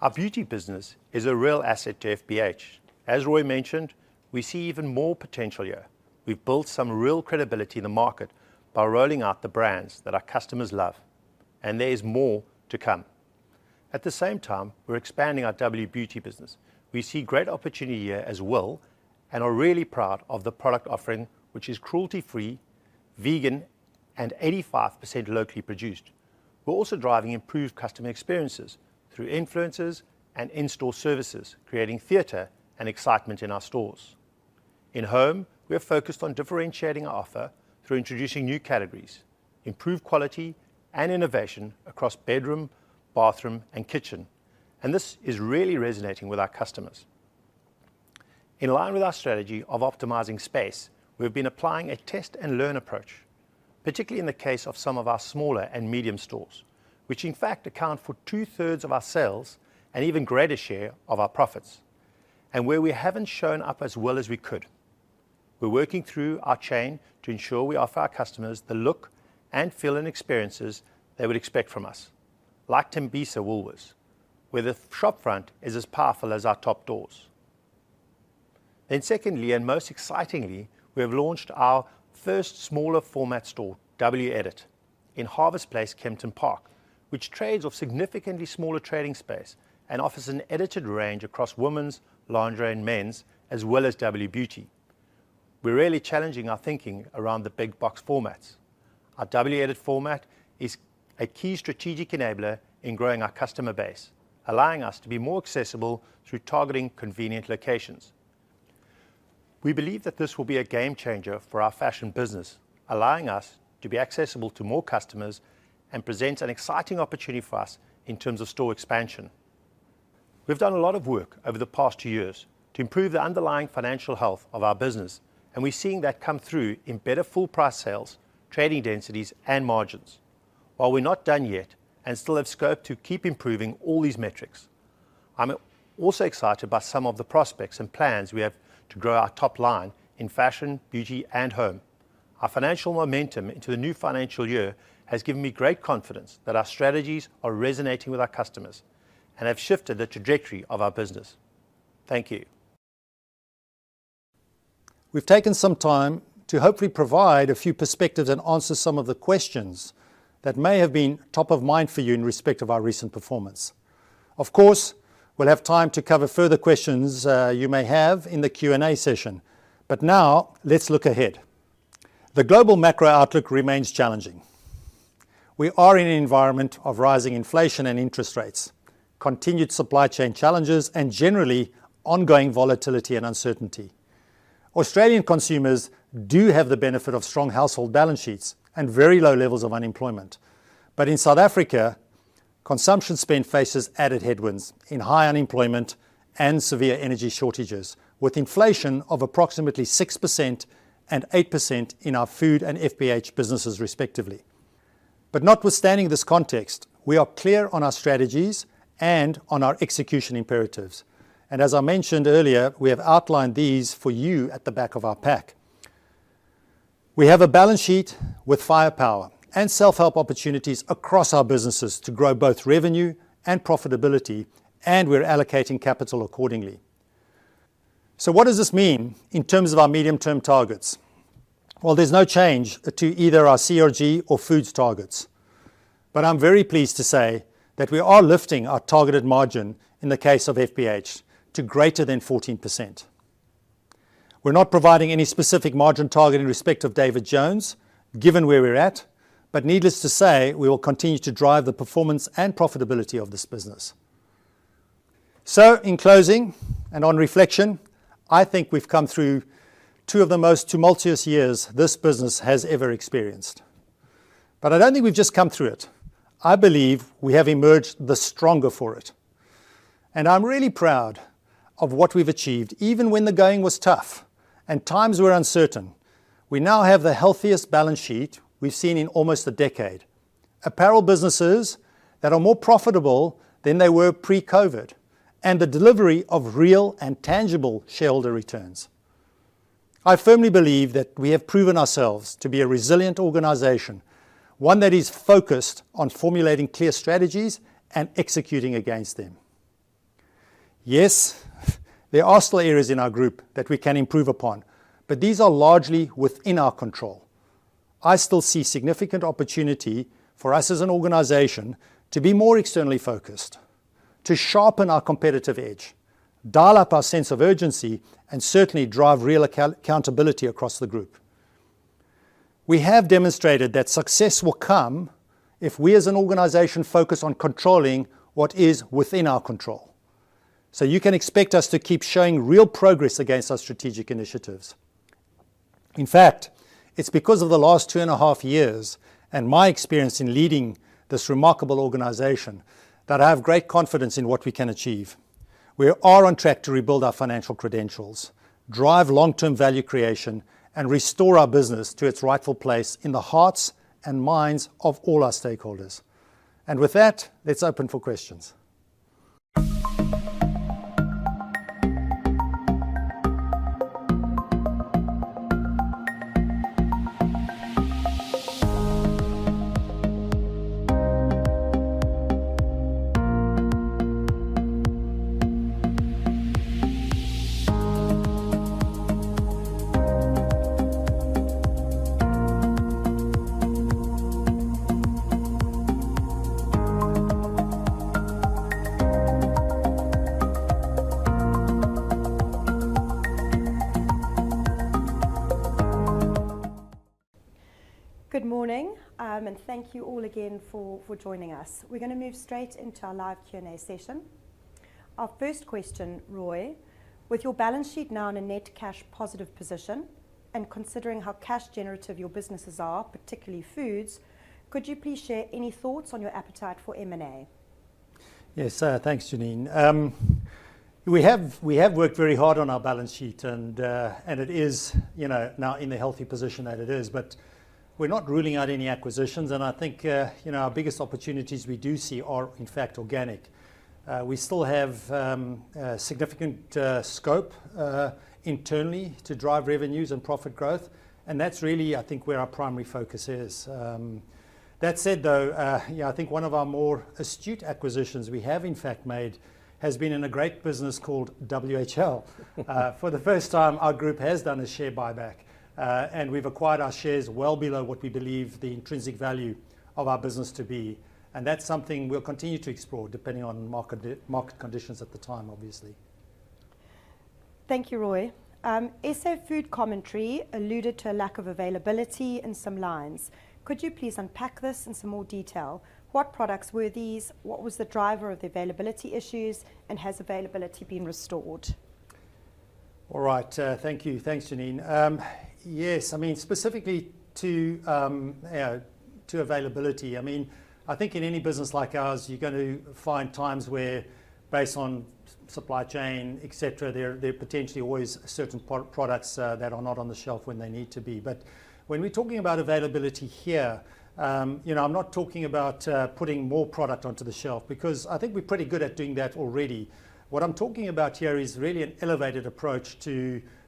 Our beauty business is a real asset to FBH. As Roy mentioned, we see even more potential here. We've built some real credibility in the market by rolling out the brands that our customers love, and there is more to come. At the same time, we're expanding our WBeauty business. We see great opportunity here as well and are really proud of the product offering, which is cruelty-free, vegan, and 85% locally produced. We're also driving improved customer experiences through influencers and in-store services, creating theater and excitement in our stores. In home, we are focused on differentiating our offer through introducing new categories, improved quality, and innovation across bedroom, bathroom, and kitchen. This is really resonating with our customers. In line with our strategy of optimizing space, we've been applying a test and learn approach, particularly in the case of some of our smaller and medium stores, which in fact account for two-thirds of our sales and even greater share of our profits, and where we haven't shown up as well as we could. We're working through our chain to ensure we offer our customers the look and feel and experiences they would expect from us, like Tembisa Woolworths, where the shop front is as powerful as our top doors. Secondly, and most excitingly, we have launched our first smaller format store, W Edit, in Harvest Place, Kempton Park, which trades off significantly smaller trading space and offers an edited range across women's, lingerie, and men's, as well as WBeauty. We're really challenging our thinking around the big box formats. Our W Edit format is a key strategic enabler in growing our customer base, allowing us to be more accessible through targeting convenient locations. We believe that this will be a game changer for our fashion business, allowing us to be accessible to more customers and presents an exciting opportunity for us in terms of store expansion. We've done a lot of work over the past two years to improve the underlying financial health of our business, and we're seeing that come through in better full price sales, trading densities, and margins. While we're not done yet and still have scope to keep improving all these metrics, I'm also excited by some of the prospects and plans we have to grow our top line in fashion, beauty, and home. Our financial momentum into the new financial year has given me great confidence that our strategies are resonating with our customers and have shifted the trajectory of our business. Thank you. We've taken some time to hopefully provide a few perspectives and answer some of the questions that may have been top of mind for you in respect of our recent performance. Of course, we'll have time to cover further questions, you may have in the Q&A session but now let's look ahead. The global macro-outlook remains challenging. We are in an environment of rising inflation and interest rates, continued supply chain challenges, and generally ongoing volatility and uncertainty. Australian consumers do have the benefit of strong household balance sheets and very low levels of unemployment. In South Africa, consumption spend faces added headwinds in high unemployment and severe energy shortages, with inflation of approximately 6% and 8% in our food and FBH businesses respectively. Notwithstanding this context, we are clear on our strategies and on our execution imperatives, and as I mentioned earlier, we have outlined these for you at the back of our pack. We have a balance sheet with firepower and self-help opportunities across our businesses to grow both revenue and profitability, and we're allocating capital accordingly. What does this mean in terms of our medium-term targets? Well, there's no change to either our CRG or Foods targets, but I'm very pleased to say that we are lifting our targeted margin in the case of FBH to greater than 14%. We're not providing any specific margin target in respect of David Jones, given where we're at, but needless to say, we will continue to drive the performance and profitability of this business. In closing and on reflection, I think we've come through two of the most tumultuous years this business has ever experienced. I don't think we've just come through it. I believe we have emerged the stronger for it, and I'm really proud of what we've achieved, even when the going was tough and times were uncertain. We now have the healthiest balance sheet we've seen in almost a decade. Apparel businesses that are more profitable than they were pre-COVID, and the delivery of real and tangible shareholder returns. I firmly believe that we have proven ourselves to be a resilient organization, one that is focused on formulating clear strategies and executing against them. Yes, there are still areas in our group that we can improve upon, but these are largely within our control. I still see significant opportunity for us as an organization to be more externally focused, to sharpen our competitive edge, dial up our sense of urgency, and certainly drive real accountability across the group. We have demonstrated that success will come if we as an organization focus on controlling what is within our control. You can expect us to keep showing real progress against our strategic initiatives. In fact, it's because of the last 2.5 years and my experience in leading this remarkable organization that I have great confidence in what we can achieve. We are on track to rebuild our financial credentials, drive long-term value creation, and restore our business to its rightful place in the hearts and minds of all our stakeholders. With that, let's open for questions. Good morning and thank you all again for joining us. We're gonna move straight into our live Q&A session. Our first question, Roy: With your balance sheet now in a net cash positive position and considering how cash generative your businesses are, particularly Foods, could you please share any thoughts on your appetite for M&A? Yes, thanks, Jeanine. We have worked very hard on our balance sheet, and it is, you know, now in a healthy position that it is. We're not ruling out any acquisitions, and I think, you know, our biggest opportunities we do see are, in fact, organic. We still have significant scope internally to drive revenues and profit growth, and that's really, I think, where our primary focus is. That said, though, you know, I think one of our more astute acquisitions we have in fact made has been in a great business called WHL. For the first time, our group has done a share buyback, and we've acquired our shares well below what we believe the intrinsic value of our business to be. That's something we'll continue to explore depending on market conditions at the time, obviously. Thank you, Roy. SA Food Commentary alluded to a lack of availability in some lines. Could you please unpack this in some more detail? What products were these? What was the driver of the availability issues, and has availability been restored? All right, thank you. Thanks, Jeanine. Yes, I mean, specifically to availability, I mean, I think in any business like ours, you're going to find times where, based on supply chain, et cetera, there are potentially always certain products that are not on the shelf when they need to be. But when we're talking about availability here, you know, I'm not talking about putting more product onto the shelf because I think we're pretty good at doing that already. What I'm talking about here is really an elevated approach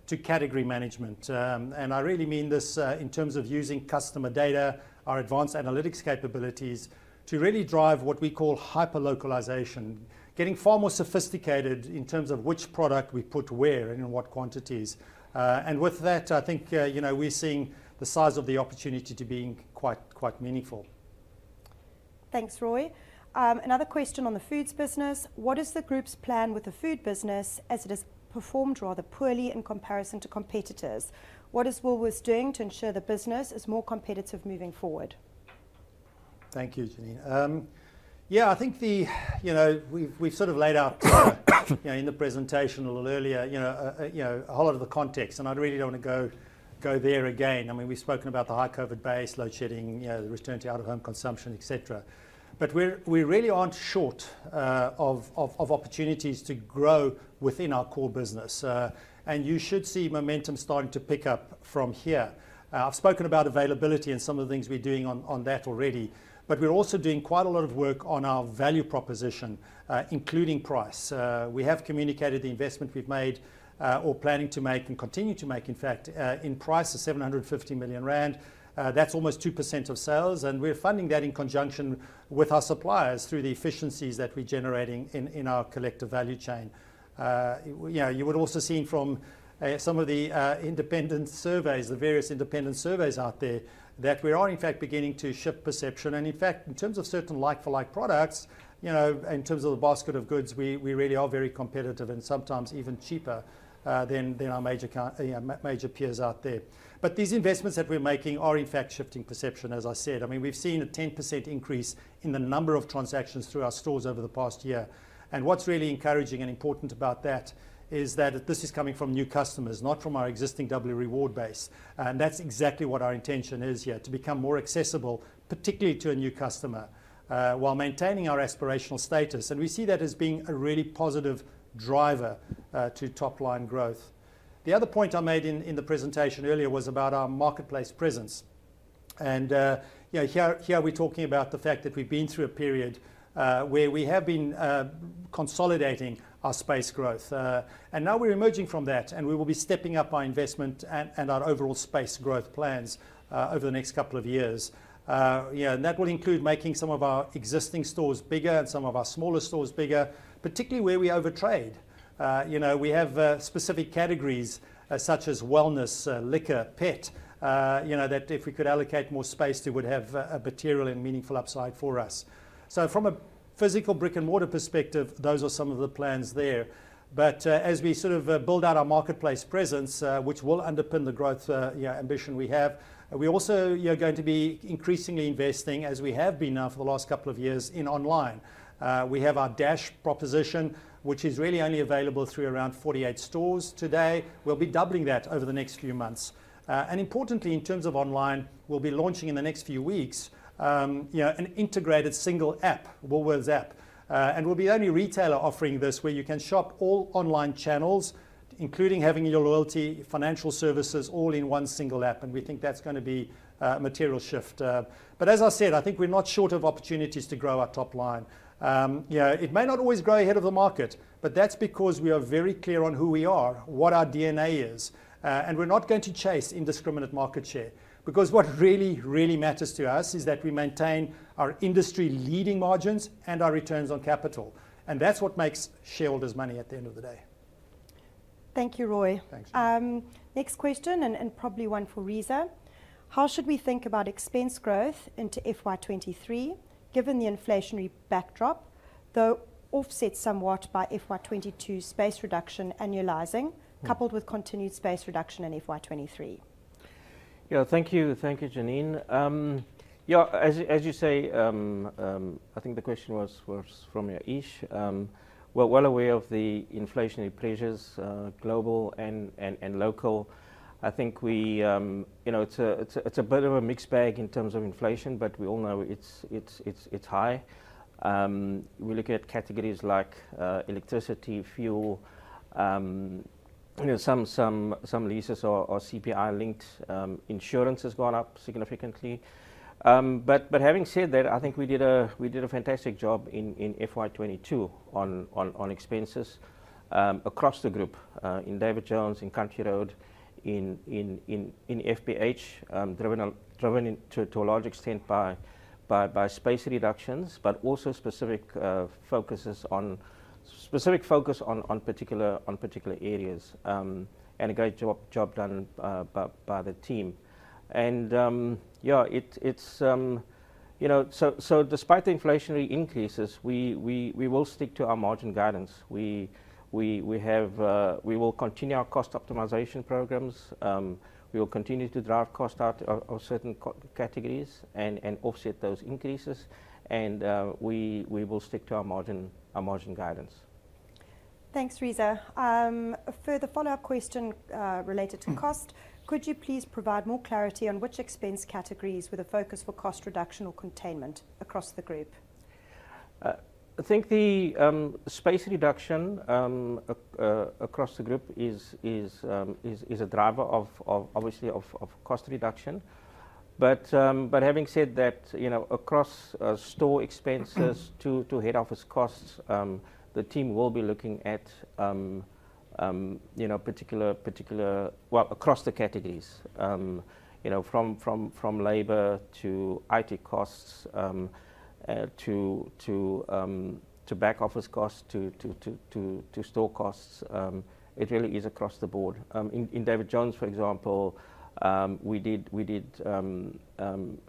to category management. I really mean this in terms of using customer data, our advanced analytics capabilities, to really drive what we call hyper-localization. Getting far more sophisticated in terms of which product we put where and in what quantities. With that, I think, you know, we're seeing the size of the opportunity to being quite meaningful. Thanks, Roy. Another question on the foods business. What is the group's plan with the food business as it has performed rather poorly in comparison to competitors? What is Woolworths doing to ensure the business is more competitive moving forward? Thank you, Jeanine. I think. You know, we've sort of laid out, you know, in the presentation a little earlier, you know, a whole lot of the context, and I really don't want to go there again. I mean, we've spoken about the high COVID base, load shedding, you know, the return to out-of-home consumption, et cetera. We really aren't short of opportunities to grow within our core business. You should see momentum starting to pick up from here. I've spoken about availability and some of the things we're doing on that already, but we're also doing quite a lot of work on our value proposition, including price. We have communicated the investment we've made, or planning to make and continue to make, in fact, in price of 750 million rand. That's almost 2% of sales, and we're funding that in conjunction with our suppliers through the efficiencies that we're generating in our collective value chain. You know, you would also see from some of the independent surveys, the various independent surveys out there, that we are in fact beginning to shift perception. In fact, in terms of certain like-for-like products, you know, in terms of the basket of goods, we really are very competitive and sometimes even cheaper than our major peers out there. These investments that we're making are in fact shifting perception, as I said. I mean, we've seen a 10% increase in the number of transactions through our stores over the past year. What's really encouraging and important about that is that this is coming from new customers, not from our existing double reward base. That's exactly what our intention is here, to become more accessible, particularly to a new customer, while maintaining our aspirational status. We see that as being a really positive driver to top-line growth. The other point I made in the presentation earlier was about our marketplace presence. You know, here we're talking about the fact that we've been through a period where we have been consolidating our space growth. Now we're emerging from that, and we will be stepping up our investment and our overall space growth plans over the next couple of years. You know, that will include making some of our existing stores bigger and some of our smaller stores bigger, particularly where we overtrade. You know, we have specific categories such as wellness, liquor, pet, you know, that if we could allocate more space, it would have a material and meaningful upside for us. From a physical brick-and-mortar perspective, those are some of the plans there. As we sort of build out our marketplace presence, which will underpin the growth you know, ambition we have, we are also you know, going to be increasingly investing, as we have been now for the last couple of years, in online. We have our Dash proposition, which is really only available through around 48 stores today. We'll be doubling that over the next few months. Importantly, in terms of online, we'll be launching in the next few weeks, you know, an integrated single app, Woolworths app. We'll be only retailer offering this, where you can shop all online channels, including having your loyalty financial services all in one single app, and we think that's gonna be a material shift. As I said, I think we're not short of opportunities to grow our top line. You know, it may not always grow ahead of the market, but that's because we are very clear on who we are, what our DNA is, and we're not going to chase indiscriminate market share. Because what really, really matters to us is that we maintain our industry-leading margins and our returns on capital. That's what makes shareholders money at the end of the day. Thank you, Roy. Thanks. Next question, probably one for Reeza. How should we think about expense growth into FY2023, given the inflationary backdrop, though offset somewhat by FY2022 space reduction annualizing? Mm. Coupled with continued space reduction in FY2023? Yeah. Thank you. Thank you, Jeanine. Yeah, as you say, I think the question was from Ish. We're well aware of the inflationary pressures, global and local. I think you know, it's a bit of a mixed bag in terms of inflation, but we all know it's high. We look at categories like electricity, fuel. You know, some leases or CPI-linked insurance has gone up significantly. Having said that, I think we did a fantastic job in FY2022 on expenses across the group, in David Jones, in Country Road, in FBH, driven to a large extent by space reductions, but also specific focus on particular areas. A great job done by the team. Yeah, it's, you know, despite the inflationary increases, we will stick to our margin guidance. We will continue our cost optimization programs. We will continue to drive cost out of certain categories and offset those increases. We will stick to our margin guidance. Thanks, Reeza. A further follow-up question, related to cost. Mm. Could you please provide more clarity on which expense categories with a focus for cost reduction or containment across the group? I think the space reduction across the group is a driver of obviously of cost reduction. Having said that, you know, across store expenses. Mm To head office costs, the team will be looking at, you know, well, across the categories. You know, from labor to IT costs, to back-office costs to store costs. It really is across the board. In David Jones, for example, we did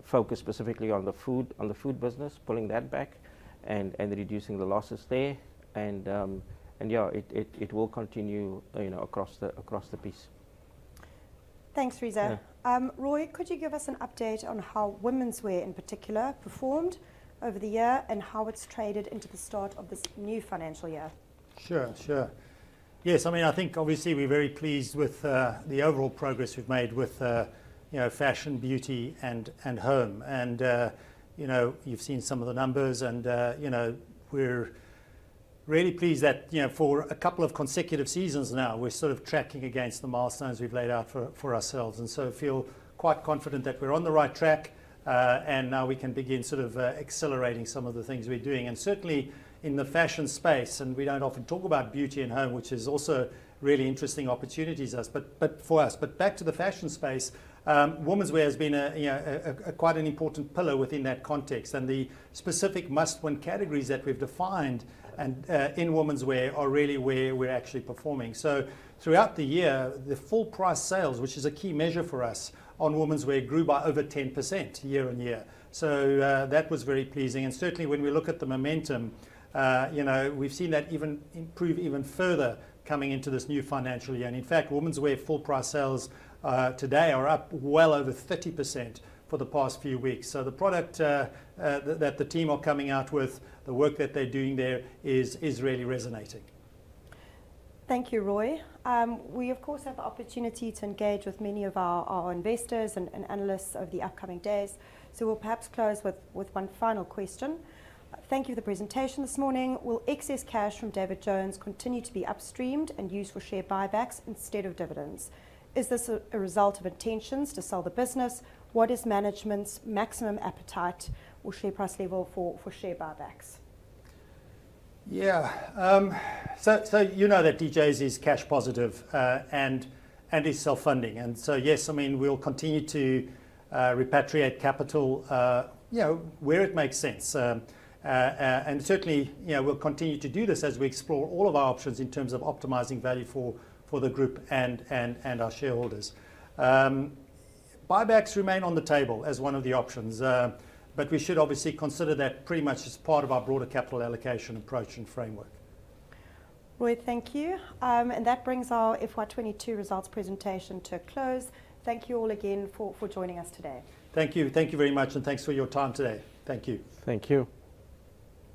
focus specifically on the food business, pulling that back and reducing the losses there. Yeah, it will continue, you know, across the piece. Thanks, Reeza. Yeah. Roy, could you give us an update on how womenswear in particular performed over the year and how it's traded into the start of this new financial year? Sure. Yes, I mean, I think obviously we're very pleased with the overall progress we've made with you know, fashion, beauty and home. You know, you've seen some of the numbers and you know, we're really pleased that you know, for a couple of consecutive seasons now, we're sort of tracking against the milestones we've laid out for ourselves. Feel quite confident that we're on the right track and now we can begin sort of accelerating some of the things we're doing. Certainly, in the fashion space, and we don't often talk about beauty and home, which is also really interesting opportunities for us, but for us. Back to the fashion space, womenswear has been you know, quite an important pillar within that context. The specific must-win categories that we've defined and in womenswear are really where we're actually performing. Throughout the year, the full price sales, which is a key measure for us on womenswear, grew by over 10% year-on-year. That was very pleasing. Certainly, when we look at the momentum, you know, we've seen that even improve even further coming into this new financial year. In fact, womenswear full price sales today are up well over 30% for the past few weeks. The product that the team are coming out with, the work that they're doing there is really resonating. Thank you, Roy. We of course have opportunity to engage with many of our investors and analysts over the upcoming days. We'll perhaps close with one final question. Thank you for the presentation this morning. Will excess cash from David Jones continue to be up streamed and used for share buybacks instead of dividends? Is this a result of intentions to sell the business? What is management's maximum appetite or share price level for share buybacks? Yeah. So, you know that DJ's is cash positive and is self-funding. Yes, I mean, we'll continue to repatriate capital, you know, where it makes sense. Certainly, you know, we'll continue to do this as we explore all of our options in terms of optimizing value for the group and our shareholders. Buybacks remain on the table as one of the options, but we should obviously consider that pretty much as part of our broader capital allocation approach and framework. Roy, thank you. That brings our FY2022 results presentation to a close. Thank you all again for joining us today. Thank you. Thank you very much, and thanks for your time today. Thank you. Thank you.